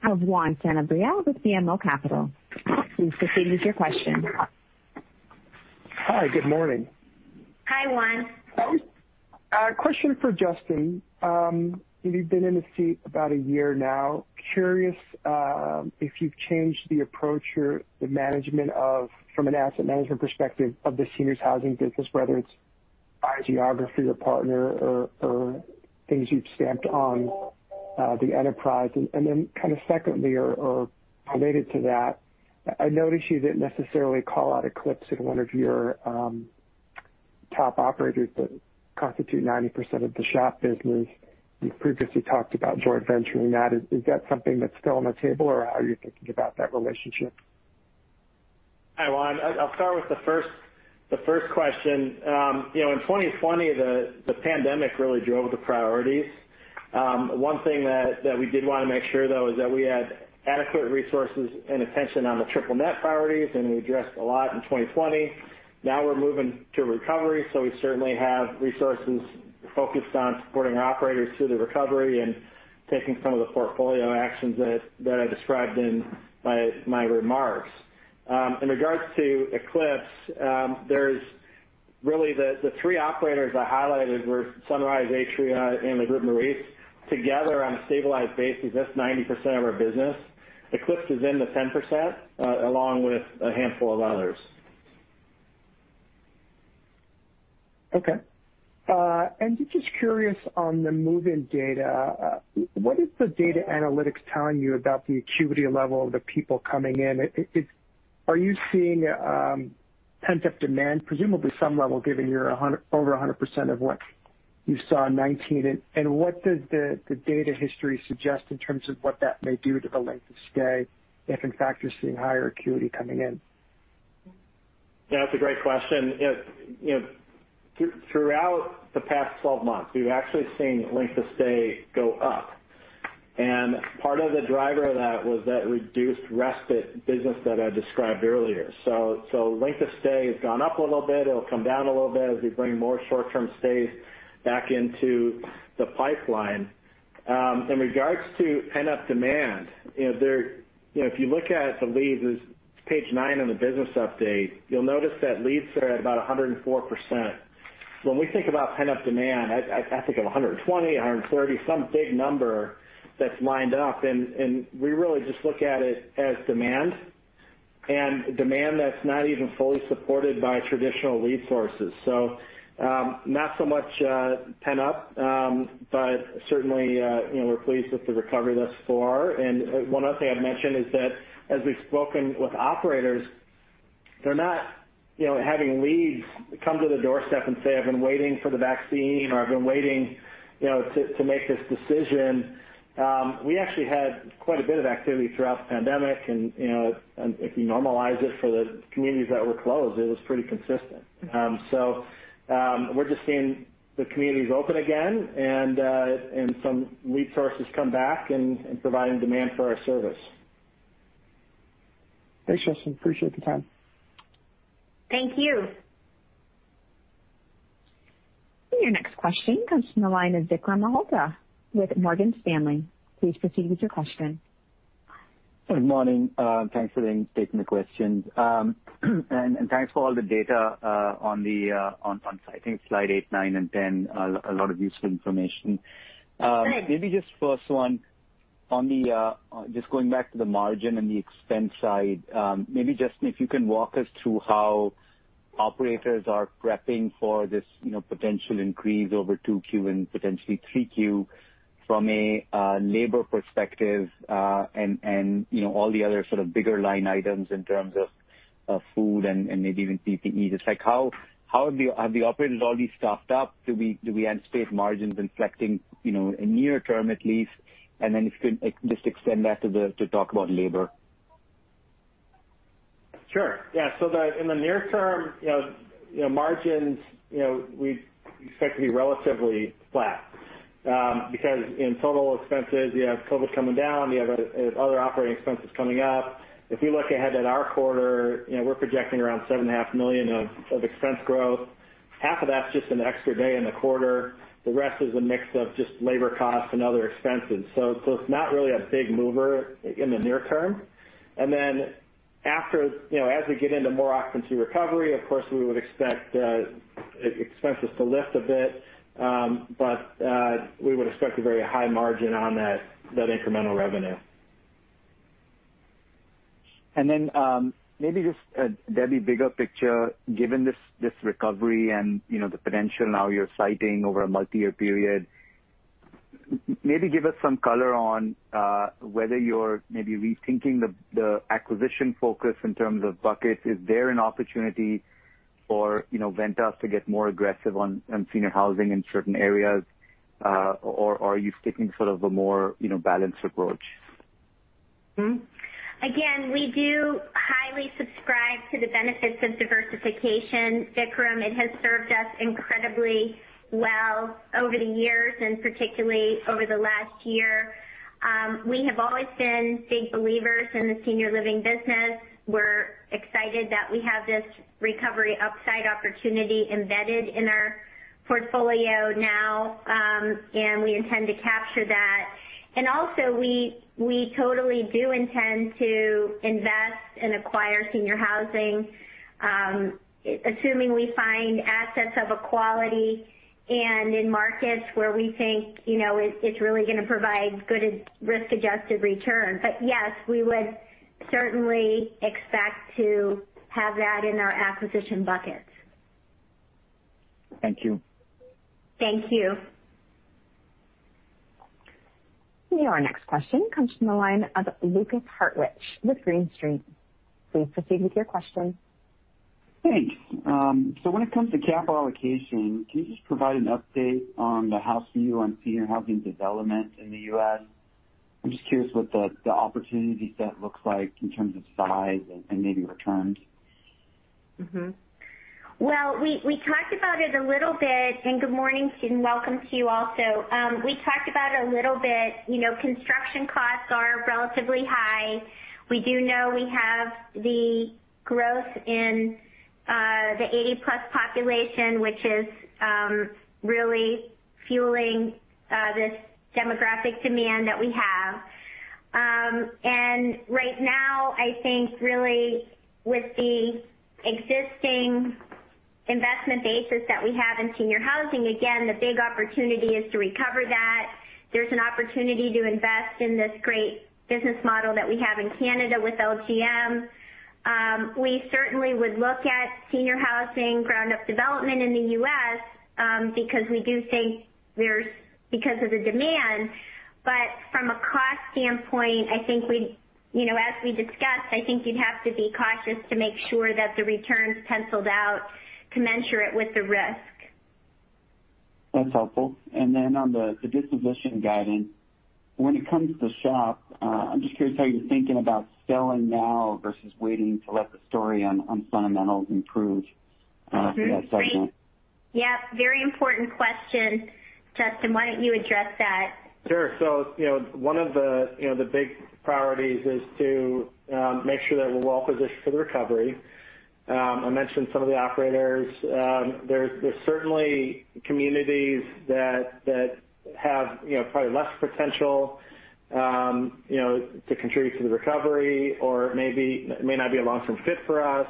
of Juan Sanabria with BMO Capital. Please proceed with your question. Hi, good morning. Hi, Juan. A question for Justin. You've been in the seat about a year now. Curious if you've changed the approach or the management of, from an asset management perspective, of the seniors housing business, whether it's by geography or partner or things you've stamped on the enterprise. Kind of secondly or related to that, I noticed you didn't necessarily call out Eclipse in one of your top operators that constitute 90% of the SHOP business. You've previously talked about joint venturing that. Is that something that's still on the table, or how are you thinking about that relationship? Hi, Juan. I'll start with the first question. In 2020, the pandemic really drove the priorities. One thing that we did want to make sure, though, is that we had adequate resources and attention on the triple-net priorities, and we addressed a lot in 2020. Now we're moving to recovery. We certainly have resources focused on supporting operators through the recovery and taking some of the portfolio actions that I described in my remarks. In regards to Eclipse, the three operators I highlighted were Sunrise, Atria, and Le Groupe Maurice. Together, on a stabilized basis, that's 90% of our business. Eclipse is in the 10%, along with a handful of others. Okay. Just curious on the move-in data, what is the data analytics telling you about the acuity level of the people coming in? Are you seeing pent-up demand? Presumably some level, given you're over 100% of what you saw in 2019. What does the data history suggest in terms of what that may do to the length of stay, if in fact you're seeing higher acuity coming in? Yeah, that's a great question. Throughout the past 12 months, we've actually seen length of stay go up. Part of the driver of that was that reduced respite business that I described earlier. Length of stay has gone up a little bit. It'll come down a little bit as we bring more short-term stays back into the pipeline. In regards to pent-up demand, if you look at the leads, it's page nine in the business update, you'll notice that leads are at about 104%. When we think about pent-up demand, I think of 120%, 130%, some big number that's lined up, and we really just look at it as demand. Demand that's not even fully supported by traditional lead sources. Not so much pent-up, but certainly we're pleased with the recovery thus far. One other thing I'd mention is that as we've spoken with operators, they're not having leads come to the doorstep and say, "I've been waiting for the vaccine," or, "I've been waiting to make this decision." We actually had quite a bit of activity throughout the pandemic and if you normalize it for the communities that were closed, it was pretty consistent. We're just seeing the communities open again and some lead sources come back and providing demand for our service. Thanks, Justin. Appreciate the time. Thank you. Your next question comes from the line of Vikram Malhotra with Morgan Stanley. Please proceed with your question. Good morning. Thanks for taking the questions. Thanks for all the data on, I think slide eight, nine, and 10. A lot of useful information. That's great. Just first one, just going back to the margin and the expense side. Justin, if you can walk us through how operators are prepping for this potential increase over 2Q and potentially 3Q from a labor perspective, and all the other sort of bigger line items in terms of food and maybe even PPE. Just like how have the operators already staffed up? Do we anticipate margins inflecting in near term at least? If you could just extend that to talk about labor. Sure. Yeah. In the near term, margins we expect to be relatively flat because in total expenses, you have COVID coming down, you have other operating expenses coming up. If you look ahead at our quarter, we're projecting around $7.5 million of expense growth. Half of that's just an extra day in the quarter. The rest is a mix of just labor costs and other expenses. It's not really a big mover in the near term. As we get into more occupancy recovery, of course, we would expect expenses to lift a bit. We would expect a very high margin on that incremental revenue. Maybe just, Debbie, bigger picture, given this recovery and the potential now you're citing over a multi-year period, maybe give us some color on whether you're maybe rethinking the acquisition focus in terms of buckets. Is there an opportunity for Ventas to get more aggressive on senior housing in certain areas? Or are you sticking sort of a more balanced approach? Again, we do highly subscribe to the benefits of diversification, Vikram. It has served us incredibly well over the years, and particularly over the last year. We have always been big believers in the Senior Living business. We're excited that we have this recovery upside opportunity embedded in our portfolio now, and we intend to capture that. Also, we totally do intend to invest and acquire senior housing, assuming we find assets of equality and in markets where we think it's really going to provide good risk-adjusted return. Yes, we would certainly expect to have that in our acquisition buckets. Thank you. Thank you. Your next question comes from the line of Lukas Hartwich with Green Street. Please proceed with your question. Thanks. When it comes to capital allocation, can you just provide an update on the house view on senior housing development in the U.S.? I'm just curious what the opportunity set looks like in terms of size and maybe returns. Mm-hmm. Well, we talked about it a little bit. Good morning to you and welcome to you also. We talked about it a little bit. Construction costs are relatively high. We do know we have the growth in the 80+ population, which is really fueling this demographic demand that we have. Right now, I think really with the existing investment basis that we have in senior housing, again, the big opportunity is to recover that. There's an opportunity to invest in this great business model that we have in Canada with LGM. We certainly would look at senior housing ground-up development in the U.S. because of the demand. From a cost standpoint, as we discussed, I think you'd have to be cautious to make sure that the returns penciled out to measure it with the risk. That's helpful. On the disposition guidance, when it comes to SHOP, I'm just curious how you're thinking about selling now versus waiting to let the story on fundamentals improve for that segment. Great. Yep, very important question. Justin, why don't you address that? Sure. One of the big priorities is to make sure that we're well-positioned for the recovery. I mentioned some of the operators. There's certainly communities that have probably less potential to contribute to the recovery or may not be a long-term fit for us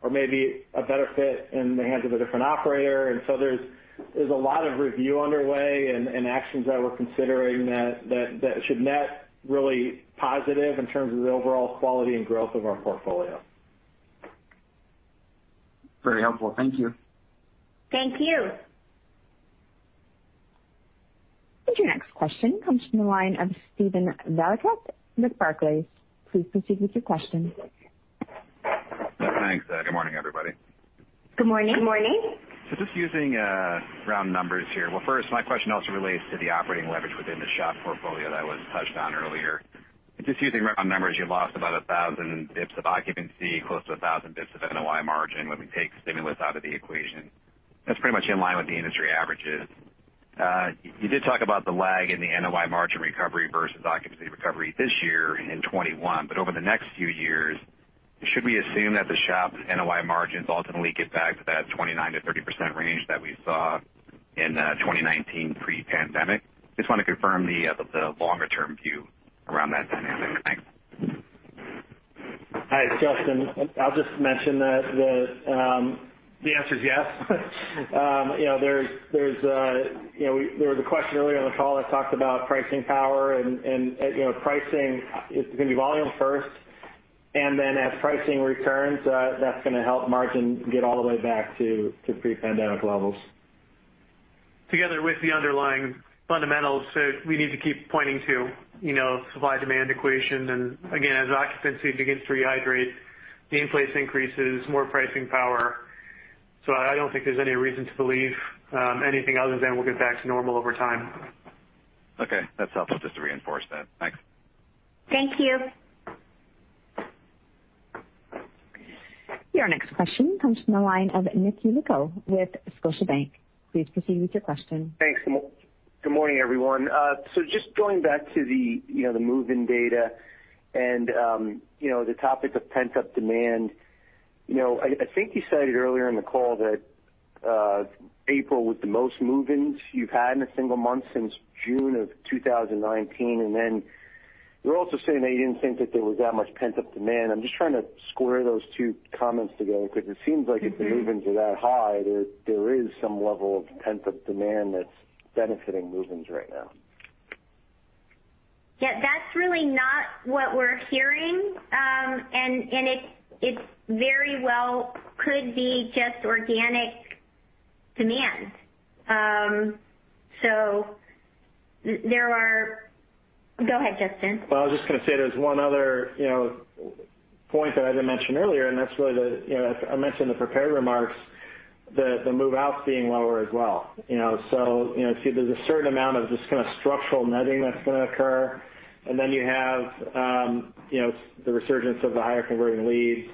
or may be a better fit in the hands of a different operator. There's a lot of review underway and actions that we're considering that should net really positive in terms of the overall quality and growth of our portfolio. Very helpful. Thank you. Thank you. Your next question comes from the line of Steven Valiquette with Barclays. Please proceed with your question. Thanks. Good morning, everybody. Good morning. Good morning. Just using round numbers here. First, my question also relates to the operating leverage within the SHOP portfolio that was touched on earlier. Just using round numbers, you lost about 1,000 bps of occupancy, close to 1,000 bps of NOI margin when we take stimulus out of the equation. That's pretty much in line with the industry averages. You did talk about the lag in the NOI margin recovery versus occupancy recovery this year in 2021. Over the next few years, should we assume that the SHOP NOI margins ultimately get back to that 29%-30% range that we saw in 2019 pre-pandemic? Just want to confirm the longer-term view around that dynamic. Thanks. Hi, it's Justin. I'll just mention that the answer is yes. There was a question earlier on the call that talked about pricing power. Pricing is going to be volume first. Then as pricing returns, that's going to help margin get all the way back to pre-pandemic levels. Together with the underlying fundamentals that we need to keep pointing to, supply-demand equation, and again, as occupancy begins to rehydrate, in-place increases, more pricing power. I don't think there's any reason to believe anything other than we'll get back to normal over time. Okay. That's helpful just to reinforce that. Thanks. Thank you. Your next question comes from the line of Nick Yulico with Scotiabank. Please proceed with your question. Thanks. Good morning, everyone. Just going back to the move-in data and the topic of pent-up demand. I think you said it earlier in the call that April was the most move-ins you've had in a single month since June of 2019, and then you're also saying that you didn't think that there was that much pent-up demand. I'm just trying to square those two comments together because it seems like if the move-ins are that high, there is some level of pent-up demand that's benefiting move-ins right now. Yeah, that's really not what we're hearing. It very well could be just organic demand. Go ahead, Justin. I was just going to say there's one other point that I didn't mention earlier. I mentioned in the prepared remarks, the move-outs being lower as well. There's a certain amount of just kind of structural netting that's going to occur. You have the resurgence of the higher converting leads.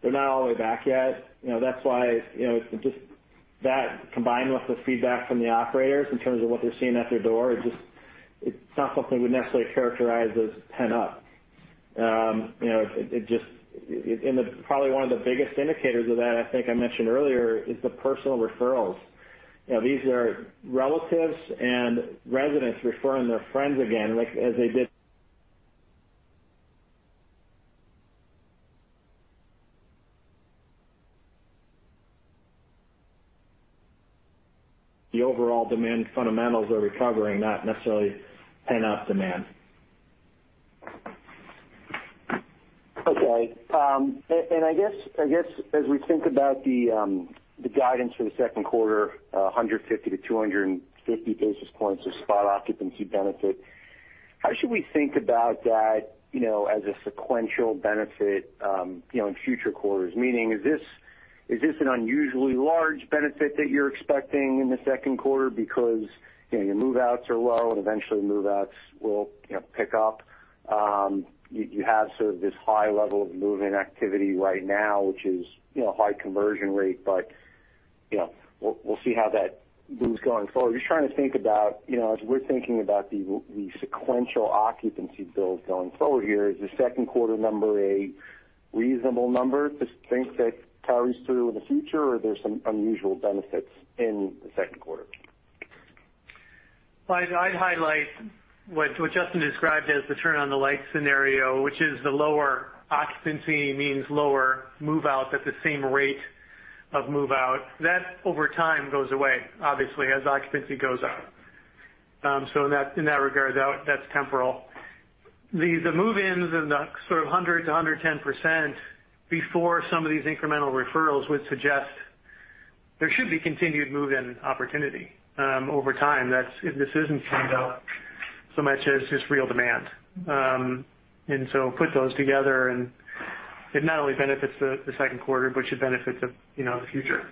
They're not all the way back yet. That combined with the feedback from the operators in terms of what they're seeing at their door, it's not something we'd necessarily characterize as pent-up. Probably one of the biggest indicators of that, I think I mentioned earlier, is the personal referrals. These are relatives and residents referring their friends again, like as they did. The overall demand fundamentals are recovering, not necessarily pent-up demand. Okay. I guess, as we think about the guidance for the second quarter, 150 basis points-250 basis points of spot occupancy benefit, how should we think about that as a sequential benefit in future quarters? Meaning, is this an unusually large benefit that you're expecting in the second quarter because your move-outs are low and eventually move-outs will pick up? You have sort of this high level of move-in activity right now, which is high conversion rate, but we'll see how that moves going forward. Just trying to think about, as we're thinking about the sequential occupancy build going forward here, is the second quarter number a reasonable number to think that carries through in the future, or are there some unusual benefits in the second quarter? I'd highlight what Justin described as the turn on the light scenario, which is the lower occupancy means lower move-outs at the same rate of move-out. That over time goes away, obviously, as occupancy goes up. In that regard, that's temporal. The move-ins and the sort of 100%-110% before some of these incremental referrals would suggest there should be continued move-in opportunity. Over time, this isn't pent-up so much as just real demand. Put those together, and it not only benefits the second quarter, but should benefit the future.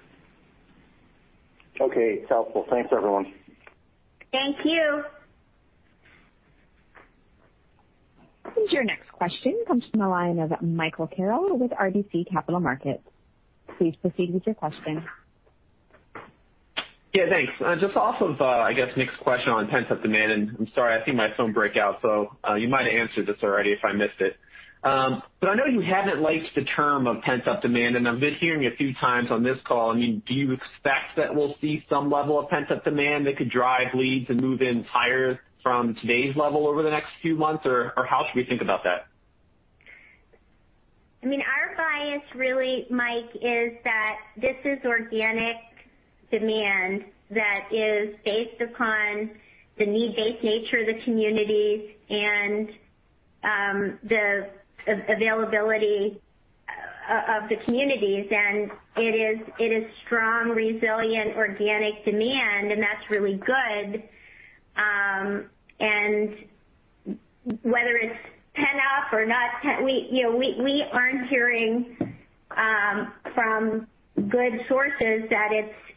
Okay. Helpful. Thanks, everyone. Thank you. Your next question comes from the line of Michael Carroll with RBC Capital Markets. Please proceed with your question. Yeah, thanks. Just off of, I guess Nick's question on pent-up demand, and I'm sorry, I see my phone breakout, so you might have answered this already if I missed it. I know you haven't liked the term of pent-up demand, and I've been hearing a few times on this call. Do you expect that we'll see some level of pent-up demand that could drive leads and move-ins higher from today's level over the next few months, or how should we think about that? Our bias really, Mike, is that this is organic demand that is based upon the need-based nature of the communities and the availability of the communities, and it is strong, resilient, organic demand, and that's really good. Whether it's pent-up or not, we aren't hearing from good sources that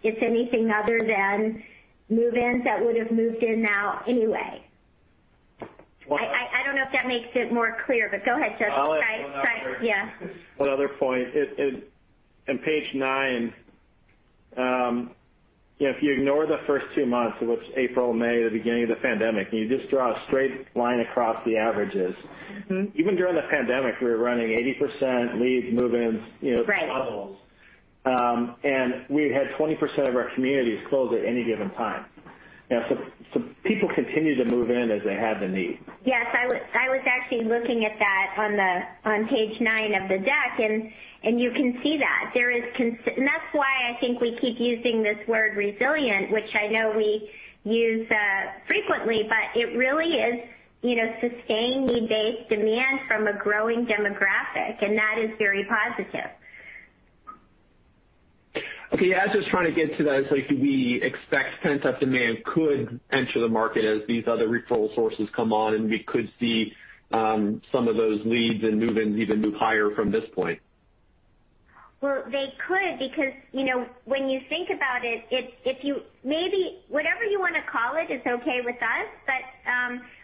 it's anything other than move-ins that would have moved in now anyway. Wonderful. I don't know if that makes it more clear, but go ahead, Justin. Try. I'll add one other- Yeah. One other point. On page nine, if you ignore the first two months, so it is April, May, the beginning of the pandemic, and you just draw a straight line across the averages. Even during the pandemic, we were running 80% leads, move-ins. Right levels. We had 20% of our communities closed at any given time. People continued to move in as they had the need. Yes, I was actually looking at that on page nine of the deck. You can see that. That's why I think we keep using this word resilient, which I know we use frequently, but it really is sustained need-based demand from a growing demographic, and that is very positive. Okay. Yeah, I was just trying to get to that. Do we expect pent-up demand could enter the market as these other referral sources come on, and we could see some of those leads and move-ins even move higher from this point? Well, they could because when you think about it, maybe whatever you want to call it is okay with us.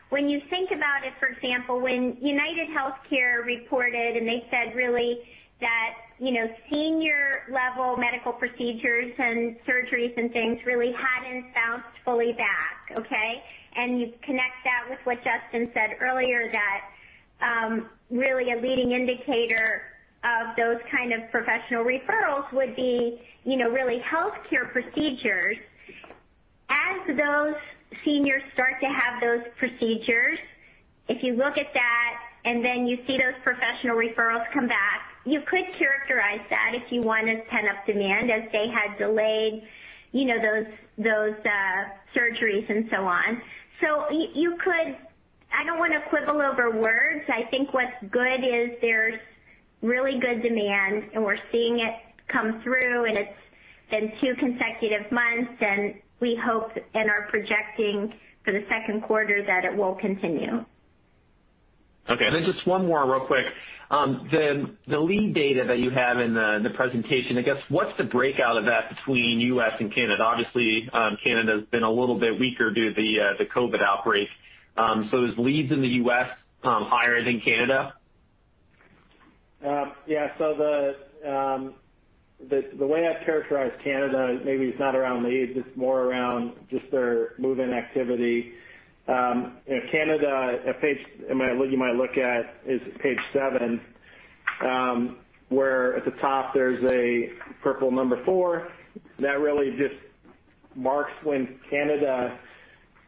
When you think about it, for example, when UnitedHealthcare reported and they said really that senior level medical procedures and surgeries and things really hadn't bounced fully back. Okay? You connect that with what Justin said earlier, that really a leading indicator of those kind of professional referrals would be really healthcare procedures. As those seniors start to have those procedures, if you look at that and then you see those professional referrals come back, you could characterize that, if you want, as pent-up demand as they had delayed those surgeries and so on. I don't want to quibble over words. I think what's good is there's really good demand, and we're seeing it come through, and it's been two consecutive months, and we hope and are projecting for the second quarter that it will continue. Okay. Just one more real quick. The lead data that you have in the presentation, I guess, what's the breakout of that between U.S. and Canada? Obviously, Canada's been a little bit weaker due to the COVID outbreak. Is leads in the U.S. higher than Canada? Yeah. The way I'd characterize Canada maybe is not around leads, it's more around just their move-in activity. Canada, a page you might look at is page seven, where at the top there's a purple number four. That really just marks when Canada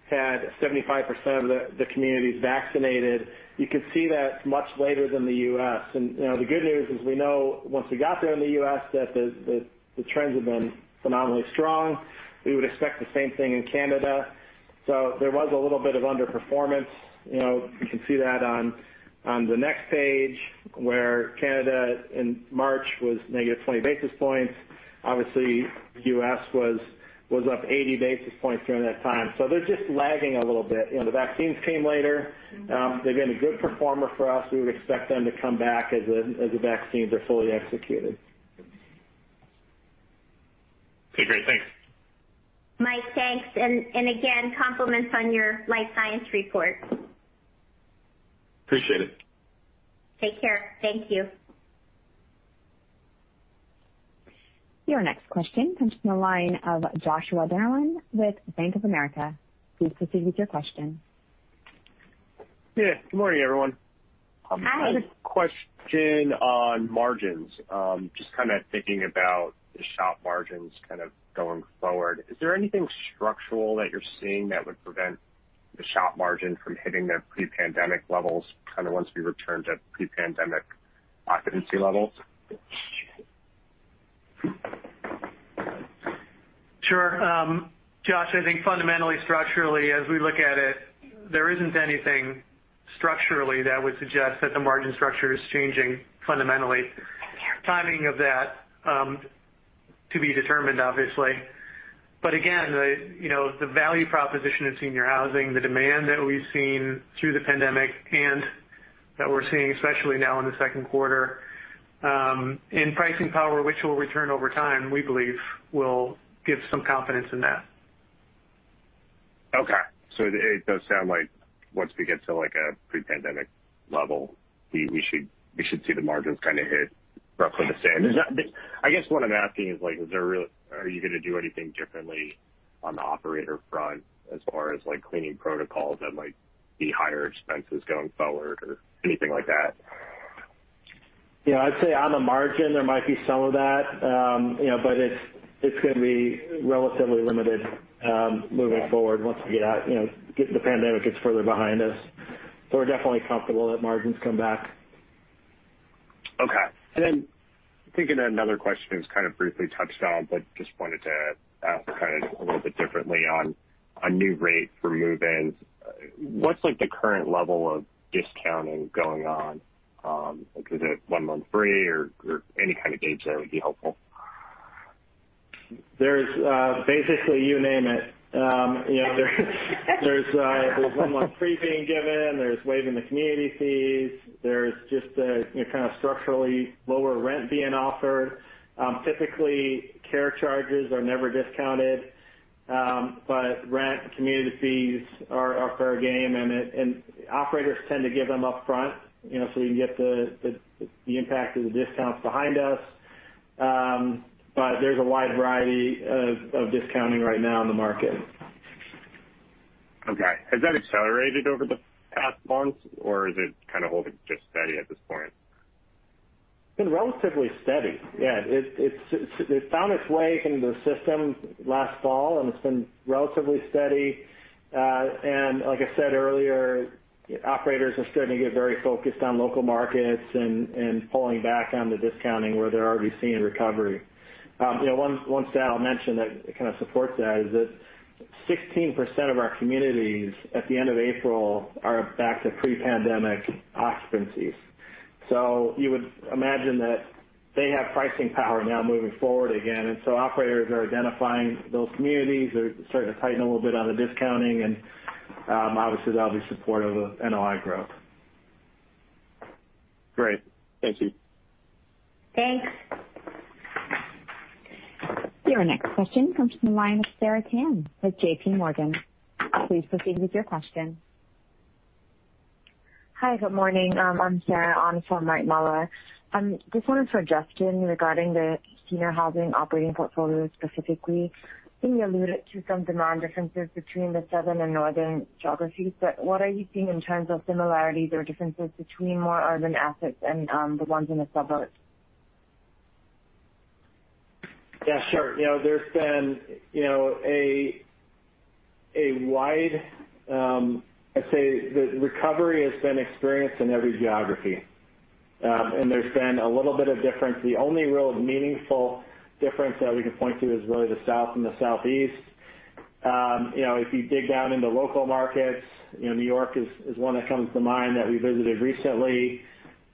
had 75% of the communities vaccinated. You could see that's much later than the U.S. The good news is we know once we got there in the U.S., that the trends have been phenomenally strong. We would expect the same thing in Canada. There was a little bit of underperformance. You can see that on the next page where Canada in March was -20 basis points. Obviously, U.S. was up 80 basis points during that time. They're just lagging a little bit. The vaccines came later. They've been a good performer for us. We would expect them to come back as the vaccines are fully executed. Okay, great. Thanks. Mike, thanks. Again, compliments on your life science report. Appreciate it. Take care. Thank you. Your next question comes from the line of Joshua Dennerlein with Bank of America. Please proceed with your question. Yeah. Good morning, everyone. Hi. I have a question on margins. Just kind of thinking about the SHOP margins kind of going forward, is there anything structural that you're seeing that would prevent the SHOP margin from hitting their pre-pandemic levels, kind of once we return to pre-pandemic occupancy levels? Sure. Josh, I think fundamentally, structurally, as we look at it, there isn't anything structurally that would suggest that the margin structure is changing fundamentally. Timing of that, to be determined, obviously. Again, the value proposition in senior housing, the demand that we've seen through the pandemic and that we're seeing especially now in the second quarter, and pricing power, which will return over time, we believe, will give some confidence in that. Okay. It does sound like once we get to a pre-pandemic level, we should see the margins kind of hit roughly the same. I guess what I'm asking is, are you going to do anything differently on the operator front as far as cleaning protocols that might be higher expenses going forward or anything like that? I'd say on the margin, there might be some of that. It's going to be relatively limited moving forward once the pandemic gets further behind us. We're definitely comfortable that margins come back. Okay. Then thinking another question that was kind of briefly touched on, but just wanted to ask kind of a little bit differently on new rates for move-ins. What's the current level of discounting going on? Is it one month free or any kind of gauge there would be helpful? There's basically you name it. There's one month free being given, there's waiving the community fees. There's just the kind of structurally lower rent being offered. Typically, care charges are never discounted. Rent and community fees are fair game, and operators tend to give them upfront so you can get the impact of the discounts behind us. There's a wide variety of discounting right now in the market. Okay. Has that accelerated over the past month, or is it kind of holding just steady at this point? It's been relatively steady. Yeah. It found its way into the system last fall, and it's been relatively steady. Like I said earlier, operators are starting to get very focused on local markets and pulling back on the discounting where they're already seeing recovery. One stat I'll mention that kind of supports that is that 16% of our communities at the end of April are back to pre-pandemic occupancies. You would imagine that they have pricing power now moving forward again. Operators are identifying those communities. They're starting to tighten a little bit on the discounting. Obviously, that'll be supportive of NOI growth. Great. Thank you. Thanks. Your next question comes from the line of Sarah Tan with JPMorgan. Please proceed with your question. Hi, good morning. I'm Sarah on for Mike Mueller. Just wanted for Justin regarding the senior housing operating portfolio specifically. I think you alluded to some demand differences between the southern and northern geographies. What are you seeing in terms of similarities or differences between more urban assets and the ones in the suburbs? Yeah, sure. There's been a wide I'd say the recovery has been experienced in every geography. There's been a little bit of difference. The only real meaningful difference that we can point to is really the South and the Southeast. If you dig down into local markets, New York is one that comes to mind that we visited recently.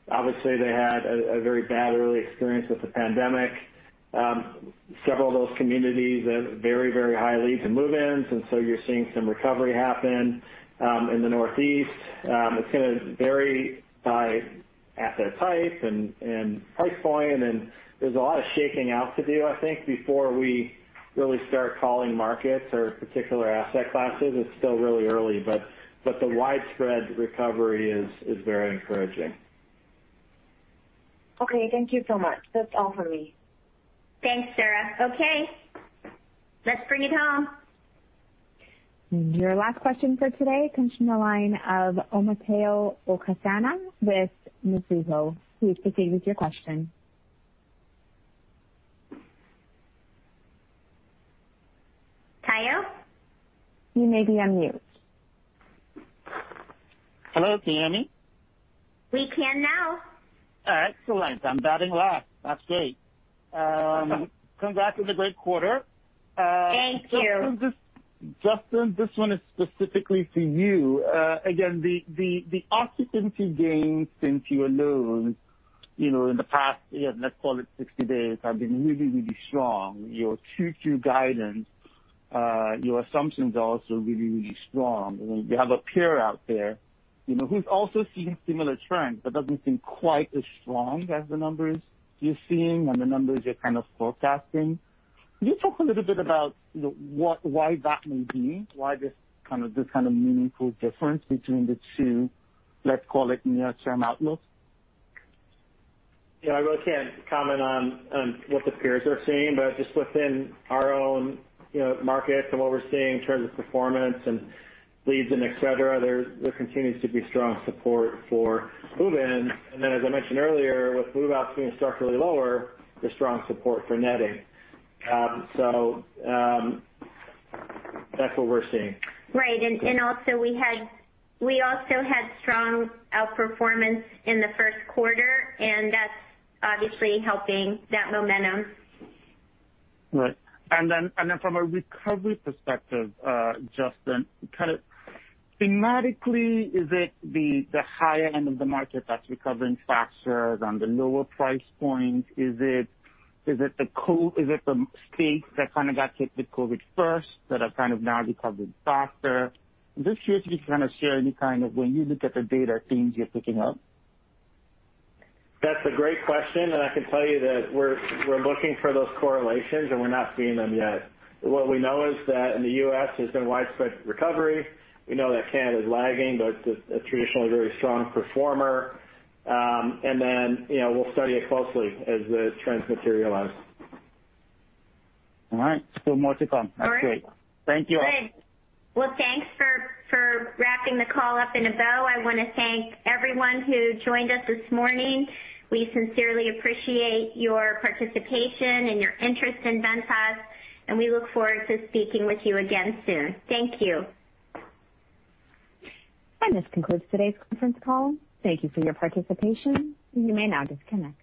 Obviously, they had a very bad early experience with the pandemic. Several of those communities have very, very high leads and move-ins. You're seeing some recovery happen. In the Northeast, it's going to vary by asset type and price point. There's a lot of shaking out to do, I think, before we really start calling markets or particular asset classes. It's still really early. The widespread recovery is very encouraging. Okay. Thank you so much. That's all for me. Thanks, Sarah. Okay. Let's bring it home. Your last question for today comes from the line of Omotayo Okusanya with Mizuho. Please proceed with your question. Tayo? You may be on mute. Hello, can you hear me? We can now. Excellent. I'm batting last. That's great. Congrats on the great quarter. Thank you. Justin, this one is specifically for you. Again, the occupancy gains since year lows, in the past, let's call it 60 days, have been really, really strong. Your 2Q guidance, your assumptions are also really, really strong. When you have a peer out there who's also seeing similar trends but doesn't seem quite as strong as the numbers you're seeing and the numbers you're kind of forecasting. Can you talk a little bit about why that may be, why this kind of meaningful difference between the two, let's call it near-term outlook? Yeah, I really can't comment on what the peers are seeing, but just within our own market and what we're seeing in terms of performance and leads and et cetera, there continues to be strong support for move-ins. As I mentioned earlier, with move-outs being structurally lower, there's strong support for netting. That's what we're seeing. Right. We also had strong outperformance in the first quarter, and that's obviously helping that momentum. Right. Then from a recovery perspective, Justin, thematically, is it the higher end of the market that's recovering faster than the lower price points? Is it the states that kind of got hit with COVID first that have kind of now recovered faster? Just curious if you can kind of share any kind of, when you look at the data, themes you're picking up. That's a great question, and I can tell you that we're looking for those correlations, and we're not seeing them yet. What we know is that in the U.S., there's been widespread recovery. We know that Canada is lagging, but it's a traditionally very strong performer. We'll study it closely as the trends materialize. All right. Still more to come. All right. That's great. Thank you all. Great. Well, thanks for wrapping the call up in a bow. I want to thank everyone who joined us this morning. We sincerely appreciate your participation and your interest in Ventas, and we look forward to speaking with you again soon. Thank you. And this concludes today's conference call. Thank you for your participation. You may now disconnect.